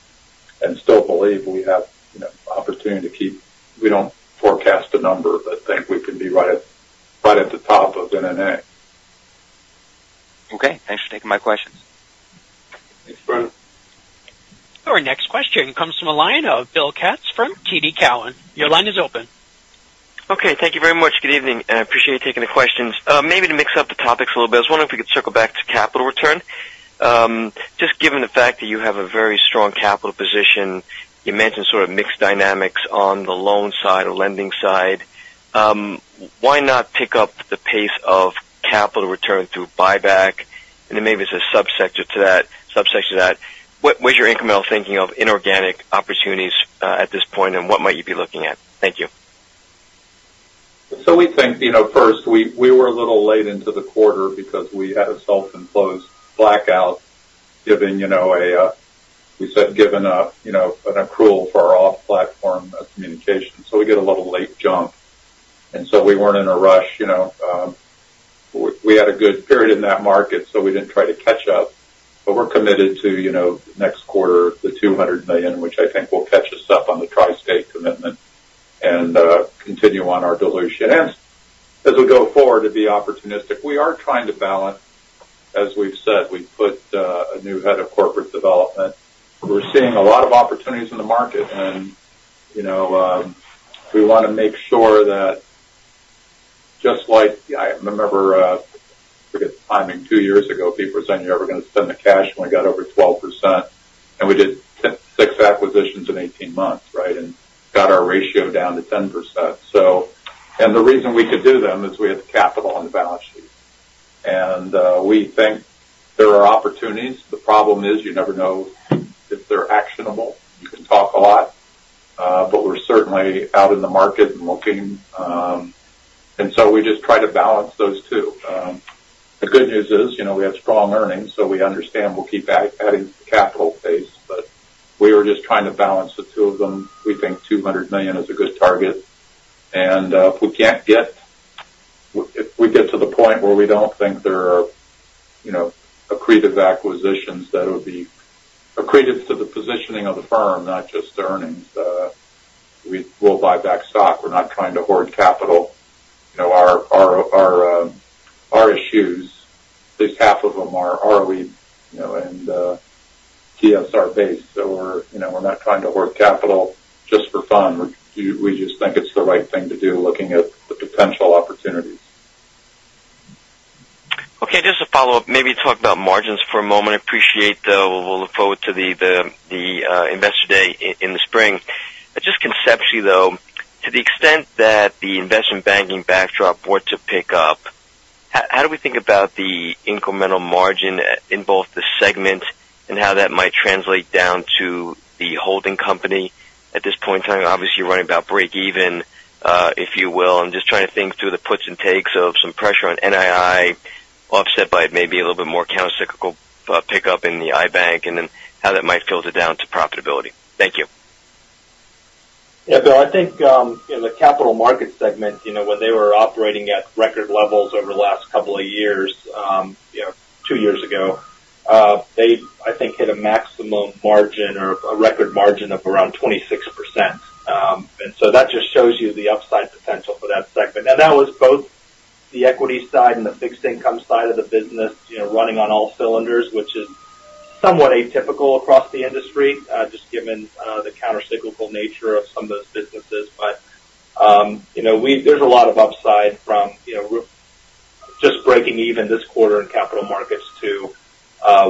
and still believe we have, you know, opportunity to keep. We don't forecast a number, but think we can be right at, right at the top of NNA. Okay, thanks for taking my questions. Thanks, Brian. Our next question comes from a line of Bill Katz from TD Cowen. Your line is open. Okay, thank you very much. Good evening, and I appreciate you taking the questions. Maybe to mix up the topics a little bit, I was wondering if we could circle back to capital return. Just given the fact that you have a very strong capital position, you mentioned sort of mixed dynamics on the loan side or lending side. Why not pick up the pace of capital return through buyback? And then maybe as a subsector to that—subsection to that, what, what is your incremental thinking of inorganic opportunities, at this point, and what might you be looking at? Thank you. So we think, you know, first, we were a little late into the quarter because we had a self-imposed blackout, given, you know, an accrual for our off-platform communication. So we got a little late jump, and so we weren't in a rush. You know, we had a good period in that market, so we didn't try to catch up. But we're committed to, you know, next quarter, the $200 million, which I think will catch us up on the TriState commitment and continue on our dilution. And as we go forward to be opportunistic, we are trying to balance. As we've said, we've put a new head of corporate development. We're seeing a lot of opportunities in the market, and, you know, we want to make sure that just like I remember, forget the timing, two years ago, people were saying, "You're ever going to spend the cash?" When we got over 12%, and we did six acquisitions in 18 months, right? And got our ratio down to 10%. So... And the reason we could do them is we had the capital on the balance sheet. And, we think there are opportunities. The problem is, you never know if they're actionable. You can talk a lot, but we're certainly out in the market and looking. And so we just try to balance those two. The good news is, you know, we have strong earnings, so we understand we'll keep adding capital base, but we are just trying to balance the two of them. We think $200 million is a good target. If we get to the point where we don't think there are, you know, accretive acquisitions, that would be accretive to the positioning of the firm, not just the earnings, we will buy back stock. We're not trying to hoard capital. You know, our issues, at least half of them are we, you know, TSR based. So we're, you know, we're not trying to hoard capital just for fun. We just think it's the right thing to do, looking at the potential opportunities. Okay, just to follow up, maybe talk about margins for a moment. I appreciate, though, we'll look forward to the Investor Day in the spring. But just conceptually, though, to the extent that the investment banking backdrop were to pick up, how do we think about the incremental margin in both the segment and how that might translate down to the holding company at this point in time? Obviously, you're right about breakeven, if you will. I'm just trying to think through the puts and takes of some pressure on NII, offset by maybe a little bit more countercyclical pickup in the IB, and then how that might filter down to profitability. Thank you. Yeah, Bill, I think, in the Capital Markets segment, you know, when they were operating at record levels over the last couple of years, you know, two years ago, they, I think, hit a maximum margin or a record margin of around 26%. And so that just shows you the upside potential for that segment. Now, that was both the equity side and the fixed income side of the business, you know, running on all cylinders, which is somewhat atypical across the industry, just given, the countercyclical nature of some of those businesses. But, you know, we-- there's a lot of upside from, you know, we're just breaking even this quarter in capital markets to,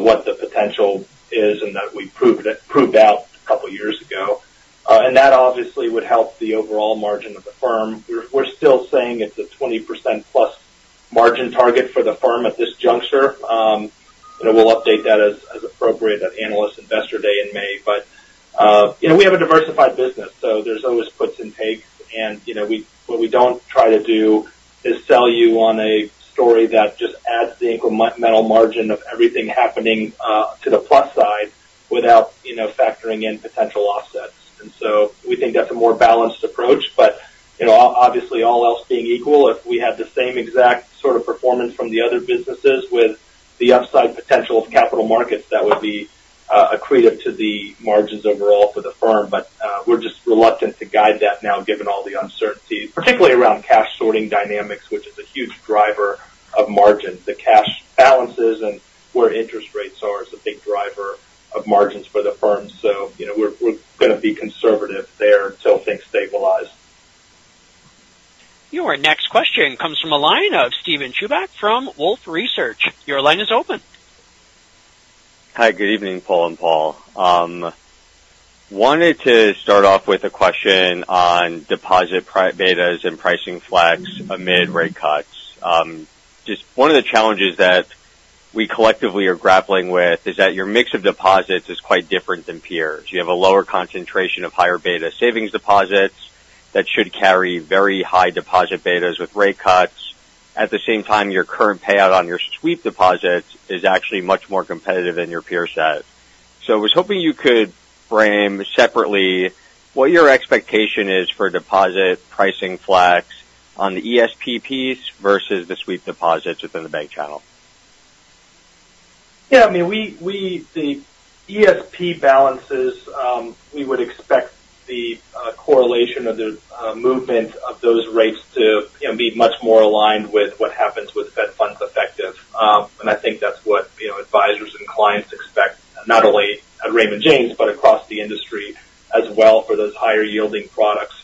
what the potential is, and that we proved it- proved out a couple of years ago. And that obviously would help the overall margin of the firm. We're still saying it's a 20%+ margin target for the firm at this juncture. But we'll update that as appropriate at Analyst Investor Day in May. But, you know, we have a diversified business, so there's always puts and takes. And, you know, what we don't try to do is sell you on a story that just adds the incremental margin of everything happening to the plus side without, you know, factoring in potential offsets. And so we think that's a more balanced approach. But, you know, obviously, all else being equal, if we had the same exact sort of performance from the other businesses with the upside potential of capital markets, that would be accretive to the margins overall for the firm. But, we're just reluctant to guide that now, given all the uncertainty, particularly around cash sorting dynamics, which is a huge driver of margins. The cash balances and where interest rates are, is a big driver of margins for the firm. So, you know, we're going to be conservative there until things stabilize. Your next question comes from a line of Steven Chubak from Wolfe Research. Your line is open. Hi, good evening, Paul and Paul. Wanted to start off with a question on deposit price betas and pricing flags amid rate cuts. Just one of the challenges that we collectively are grappling with is that your mix of deposits is quite different than peers. You have a lower concentration of higher beta savings deposits that should carry very high deposit betas with rate cuts. At the same time, your current payout on your sweep deposits is actually much more competitive than your peer set. So I was hoping you could frame separately what your expectation is for deposit pricing flags on the ESP piece versus the sweep deposits within the bank channel. Yeah, I mean, the ESP balances, we would expect the correlation of the movement of those rates to, you know, be much more aligned with what happens with Fed Funds Effective. And I think that's what, you know, advisors and clients expect, not only at Raymond James, but across the industry as well, for those higher-yielding products.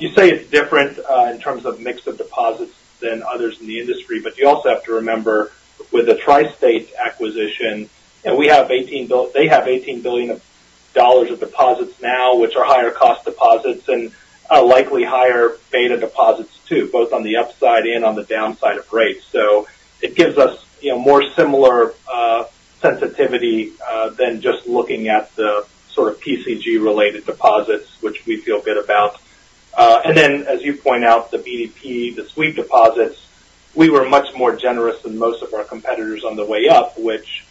You say it's different in terms of mix of deposits than others in the industry, but you also have to remember, with the TriState acquisition, and they have $18 billion of deposits now, which are higher cost deposits and likely higher beta deposits, too, both on the upside and on the downside of rates. So it gives us, you know, more similar sensitivity than just looking at the sort of PCG-related deposits, which we feel good about. And then, as you point out, the BDP, the sweep deposits, we were much more generous than most of our competitors on the way up, which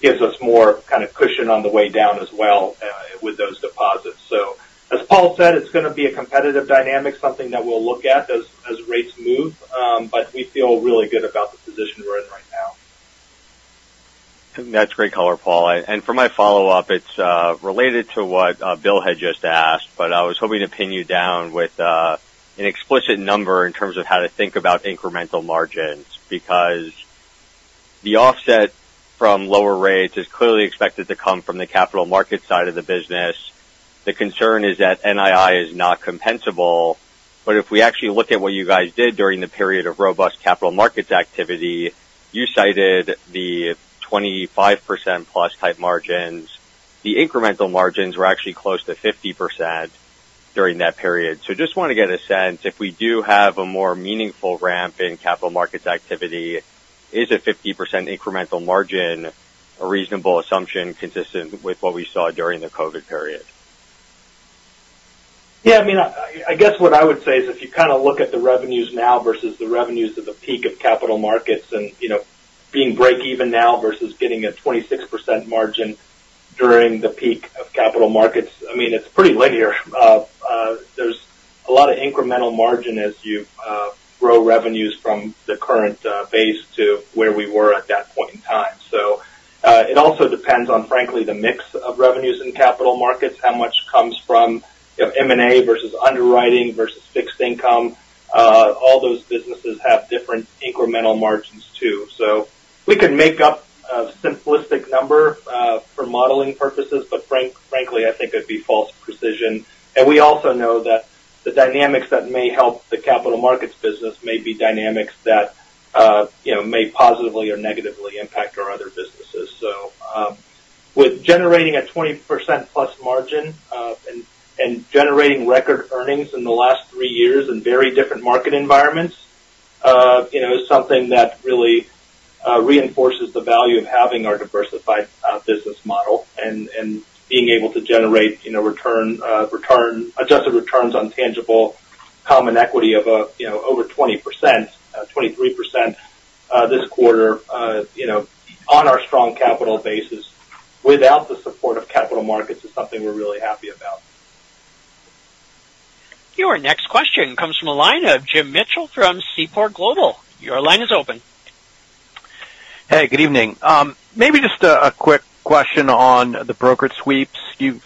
gives us more kind of cushion on the way down as well with those deposits. So as Paul said, it's going to be a competitive dynamic, something that we'll look at as, as rates move, but we feel really good about the position we're in right now. That's great color, Paul. And for my follow-up, it's related to what Bill had just asked, but I was hoping to pin you down with an explicit number in terms of how to think about incremental margins. Because the offset from lower rates is clearly expected to come from the capital market side of the business. The concern is that NII is not compensable. But if we actually look at what you guys did during the period of robust capital markets activity, you cited the 25% plus type margins. The incremental margins were actually close to 50% during that period. So just want to get a sense, if we do have a more meaningful ramp in capital markets activity, is a 50% incremental margin a reasonable assumption consistent with what we saw during the COVID period? Yeah, I mean, I guess what I would say is, if you kind of look at the revenues now versus the revenues at the peak of capital markets, and, you know, being break even now versus getting a 26% margin during the peak of capital markets, I mean, it's pretty linear. There's a lot of incremental margin as you grow revenues from the current base to where we were at that point in time. So, it also depends on, frankly, the mix of revenues in capital markets, how much comes from, you know, M&A versus underwriting versus fixed income. All those businesses have different incremental margins, too. So we could make up a simplistic number for modeling purposes, but frankly, I think it'd be false precision. And we also know that the dynamics that may help the capital markets business may be dynamics that, you know, may positively or negatively impact our other businesses. So, with generating a 20%+ margin, and generating record earnings in the last three years in very different market environments, you know, is something that really reinforces the value of having our diversified business model and being able to generate, you know, return, return—adjusted returns on tangible common equity of, you know, over 20%, 23%, this quarter, you know, on our strong capital basis, without the support of capital markets, is something we're really happy about. Your next question comes from a line of Jim Mitchell from Seaport Global. Your line is open. Hey, good evening. Maybe just a quick question on the brokered sweeps. You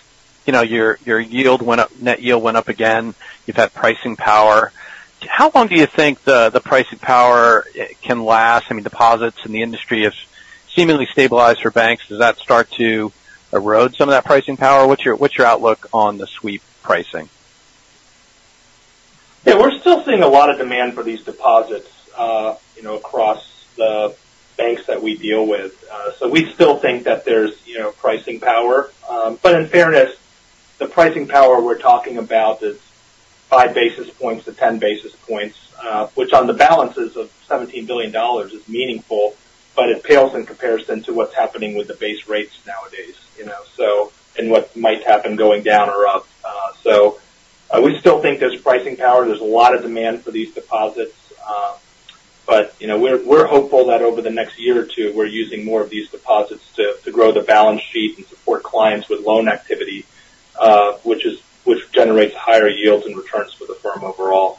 know, your yield went up, net yield went up again. You've had pricing power. How long do you think the pricing power can last? I mean, deposits in the industry have seemingly stabilized for banks. Does that start to erode some of that pricing power? What's your outlook on the sweep pricing? Yeah, we're still seeing a lot of demand for these deposits, you know, across the banks that we deal with. So we still think that there's, you know, pricing power. But in fairness- ...The pricing power we're talking about is 5 basis points-10 basis points, which on the balances of $17 billion is meaningful, but it pales in comparison to what's happening with the base rates nowadays, you know, so, and what might happen going down or up. So we still think there's pricing power. There's a lot of demand for these deposits, but, you know, we're, we're hopeful that over the next year or two, we're using more of these deposits to, to grow the balance sheet and support clients with loan activity, which generates higher yields and returns for the firm overall.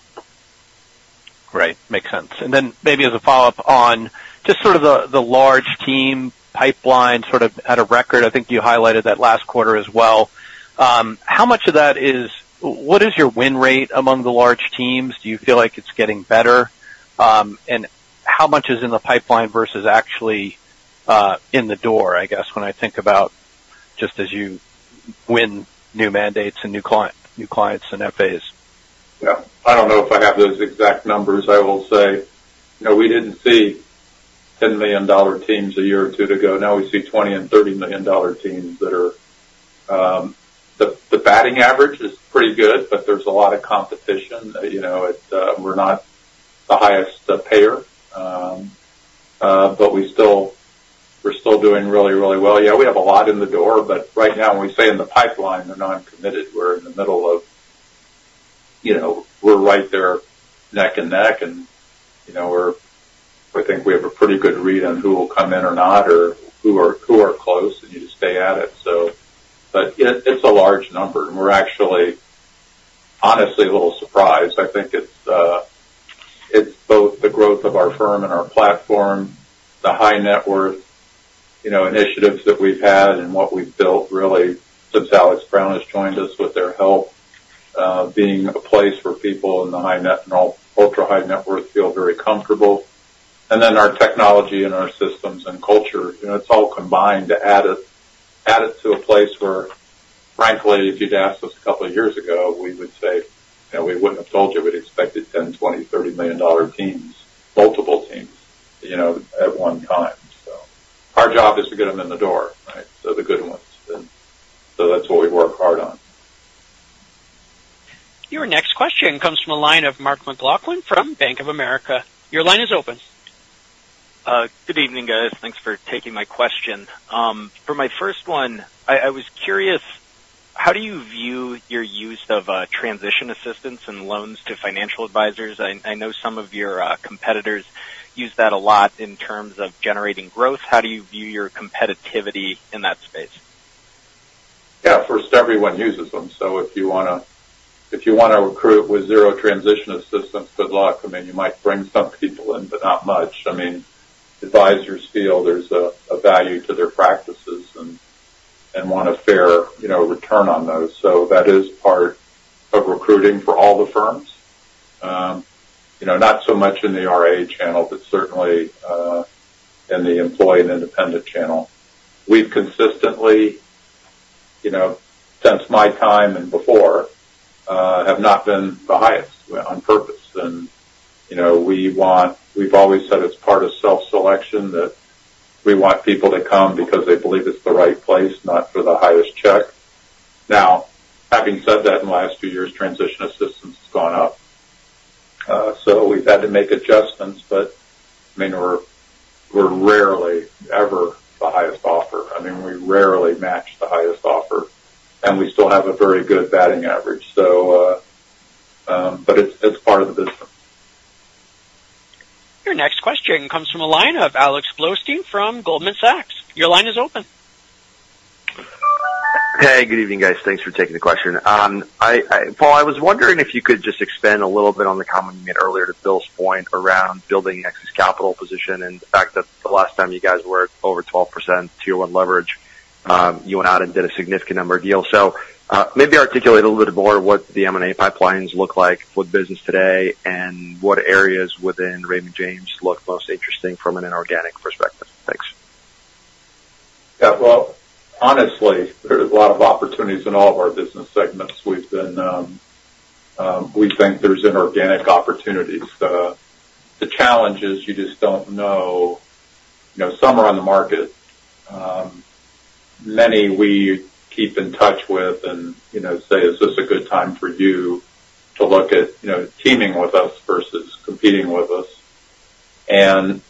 Right. Makes sense. And then maybe as a follow-up on just sort of the large team pipeline, sort of at a record. I think you highlighted that last quarter as well. How much of that is... What is your win rate among the large teams? Do you feel like it's getting better? And how much is in the pipeline versus actually in the door, I guess, when I think about just as you win new mandates and new client, new clients and FAs? Yeah. I don't know if I have those exact numbers. I will say, you know, we didn't see $10 million teams a year or two ago. Now we see $20 million and $30 million teams that are. The batting average is pretty good, but there's a lot of competition. You know, it's, we're not the highest payer, but we still. We're still doing really, really well. Yeah, we have a lot in the door, but right now, when we say in the pipeline, they're non-committed. We're in the middle of, you know, we're right there, neck and neck, and, you know, we're. I think we have a pretty good read on who will come in or not, or who are close, and you just stay at it, so. But it's a large number, and we're actually, honestly, a little surprised. I think it's both the growth of our firm and our platform, the high net worth, you know, initiatives that we've had and what we've built really, since Alex. Brown has joined us, with their help, being a place where people in the high net and all ultra-high net worth feel very comfortable. And then our technology and our systems and culture, you know, it's all combined to add it to a place where, frankly, if you'd asked us a couple of years ago, we would say, you know, we wouldn't have told you we'd expected $10, $20, $30 million teams, multiple teams, you know, at one time. So our job is to get them in the door, right? So the good ones. And so that's what we work hard on. Your next question comes from the line of Mark McLaughlin from Bank of America. Your line is open. Good evening, guys. Thanks for taking my question. For my first one, I was curious, how do you view your use of transition assistance and loans to financial advisors? I know some of your competitors use that a lot in terms of generating growth. How do you view your competitiveness in that space? Yeah, first, everyone uses them, so if you wanna recruit with zero transition assistance, good luck. I mean, you might bring some people in, but not much. I mean, advisors feel there's a value to their practices and want a fair, you know, return on those. So that is part of recruiting for all the firms. You know, not so much in the RIA channel, but certainly in the employee and independent channel. We've consistently, you know, since my time and before, have not been the highest on purpose. And, you know, we want. We've always said it's part of self-selection, that we want people to come because they believe it's the right place, not for the highest check. Now, having said that, in the last few years, transition assistance has gone up. So we've had to make adjustments, but I mean, we're rarely ever the highest offer. I mean, we rarely match the highest offer, and we still have a very good batting average. So, but it's part of the business. Your next question comes from a line of Alexander Blostein from Goldman Sachs. Your line is open. Hey, good evening, guys. Thanks for taking the question. Paul, I was wondering if you could just expand a little bit on the comment you made earlier to Bill's point around building excess capital position and the fact that the last time you guys were over 12% Tier 1 leverage, you went out and did a significant number of deals. So, maybe articulate a little bit more what the M&A pipelines look like with business today, and what areas within Raymond James look most interesting from an inorganic perspective. Thanks. Yeah. Well, honestly, there are a lot of opportunities in all of our business segments. We've been, we think there's inorganic opportunities. The challenge is you just don't know, you know, some are on the market. Many we keep in touch with and, you know, say: Is this a good time for you to look at, you know, teaming with us versus competing with us? And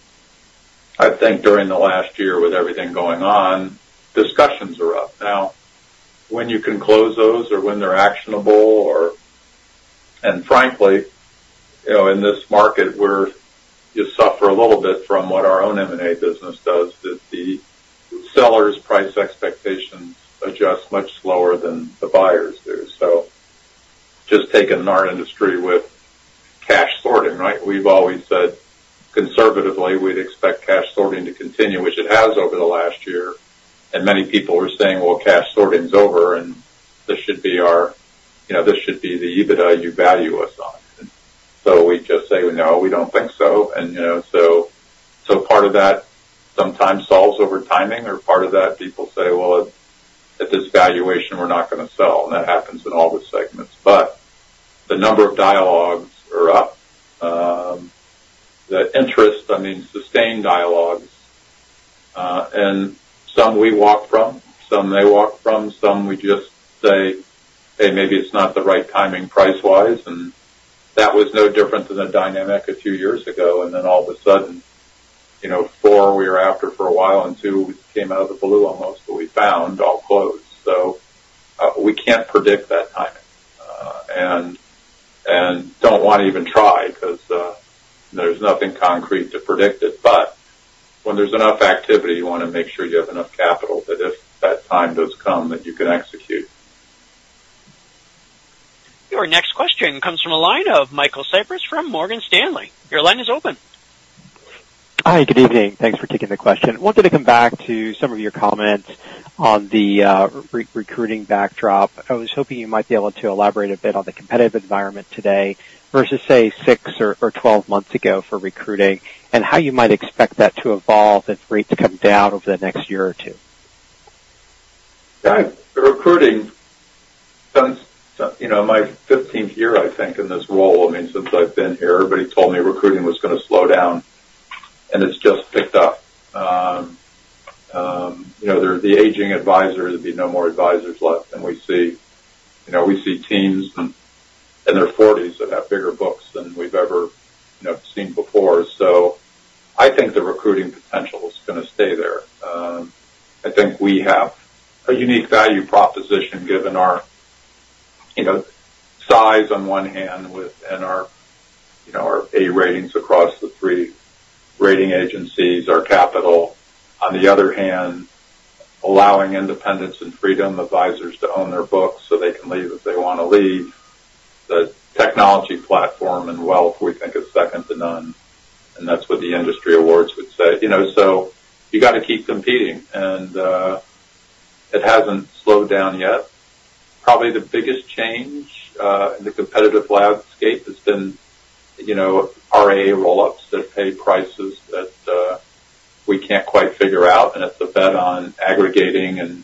I think during the last year, with everything going on, discussions are up. Now, when you can close those or when they're actionable or... And frankly, you know, in this market, we're, you suffer a little bit from what our own M&A business does, that the sellers' price expectations adjust much slower than the buyers do. So just taking our industry with cash sorting, right? We've always said conservatively, we'd expect cash sorting to continue, which it has over the last year. And many people are saying, "Well, cash sorting is over, and this should be our, you know, this should be the EBITDA you value us on." So we just say, "No, we don't think so." And, you know, so, so part of that sometimes solves over timing, or part of that, people say: Well, at, at this valuation, we're not going to sell, and that happens in all the segments. But the number of dialogues are up... the interest, I mean, sustained dialogues. and some we walk from, some they walk from, some we just say, "Hey, maybe it's not the right timing price-wise." And that was no different than the dynamic a few years ago, and then all of a sudden, you know, four we were after for a while, and two came out of the blue almost, but we found all closed. So, we can't predict that timing, and, and don't want to even try 'cause, there's nothing concrete to predict it. But when there's enough activity, you wanna make sure you have enough capital, that if that time does come, that you can execute. Your next question comes from the line of Michael Cyprys from Morgan Stanley. Your line is open. Hi, good evening. Thanks for taking the question. Wanted to come back to some of your comments on the recruiting backdrop. I was hoping you might be able to elaborate a bit on the competitive environment today versus, say, six or 12 months ago for recruiting, and how you might expect that to evolve if rates come down over the next year or two. Yeah, the recruiting, since, you know, my 15th year, I think, in this role, I mean, since I've been here, everybody told me recruiting was gonna slow down, and it's just picked up. You know, there's the aging advisor, there'd be no more advisors left, and we see. You know, we see teams in their forties that have bigger books than we've ever, you know, seen before. So I think the recruiting potential is gonna stay there. I think we have a unique value proposition, given our, you know, size on one hand, with and our, you know, our A ratings across the three rating agencies, our capital. On the other hand, allowing independence and freedom, advisors to own their books so they can leave if they wanna leave. The technology platform and wealth, we think, is second to none, and that's what the industry awards would say. You know, so you gotta keep competing, and it hasn't slowed down yet. Probably the biggest change in the competitive landscape has been, you know, RIA roll-ups that pay prices that we can't quite figure out, and it's a bet on aggregating and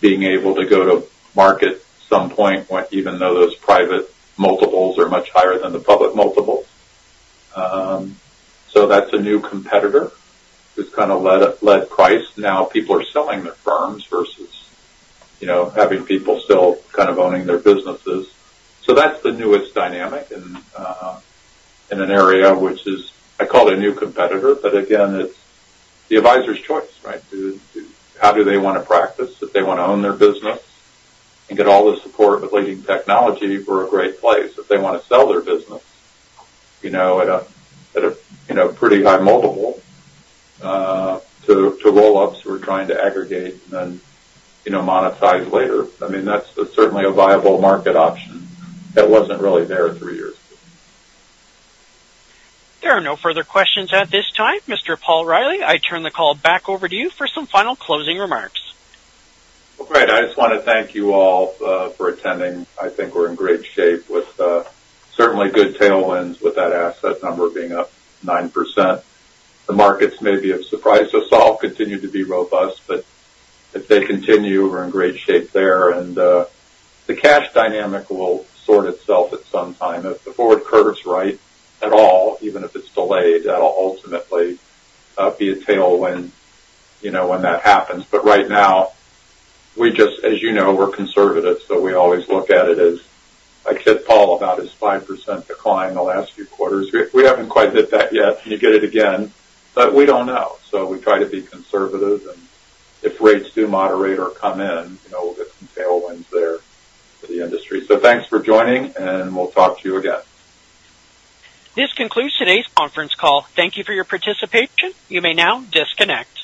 being able to go to market at some point, when even though those private multiples are much higher than the public multiples. So that's a new competitor. It's kind of led price. Now, people are selling their firms versus, you know, having people still kind of owning their businesses. So that's the newest dynamic in an area which is... I call it a new competitor, but again, it's the advisor's choice, right? How do they want to practice? If they want to own their business and get all the support with leading technology, we're a great place. If they want to sell their business, you know, at a, you know, pretty high multiple, to roll-ups, who are trying to aggregate and then, you know, monetize later. I mean, that's certainly a viable market option that wasn't really there three years ago. There are no further questions at this time. Mr. Paul Reilly, I turn the call back over to you for some final closing remarks. Well, great. I just want to thank you all for attending. I think we're in great shape with certainly good tailwinds, with that asset number being up 9%. The markets may be of surprise to us all, continue to be robust, but if they continue, we're in great shape there. And the cash dynamic will sort itself at some time. If the forward curve's right at all, even if it's delayed, that'll ultimately be a tailwind, you know, when that happens. But right now, we just, as you know, we're conservative, so we always look at it as, like, hit Paul about his 5% decline in the last few quarters. We haven't quite hit that yet, and you get it again, but we don't know. So we try to be conservative, and if rates do moderate or come in, you know, we'll get some tailwinds there for the industry. So thanks for joining, and we'll talk to you again. This concludes today's conference call. Thank you for your participation. You may now disconnect.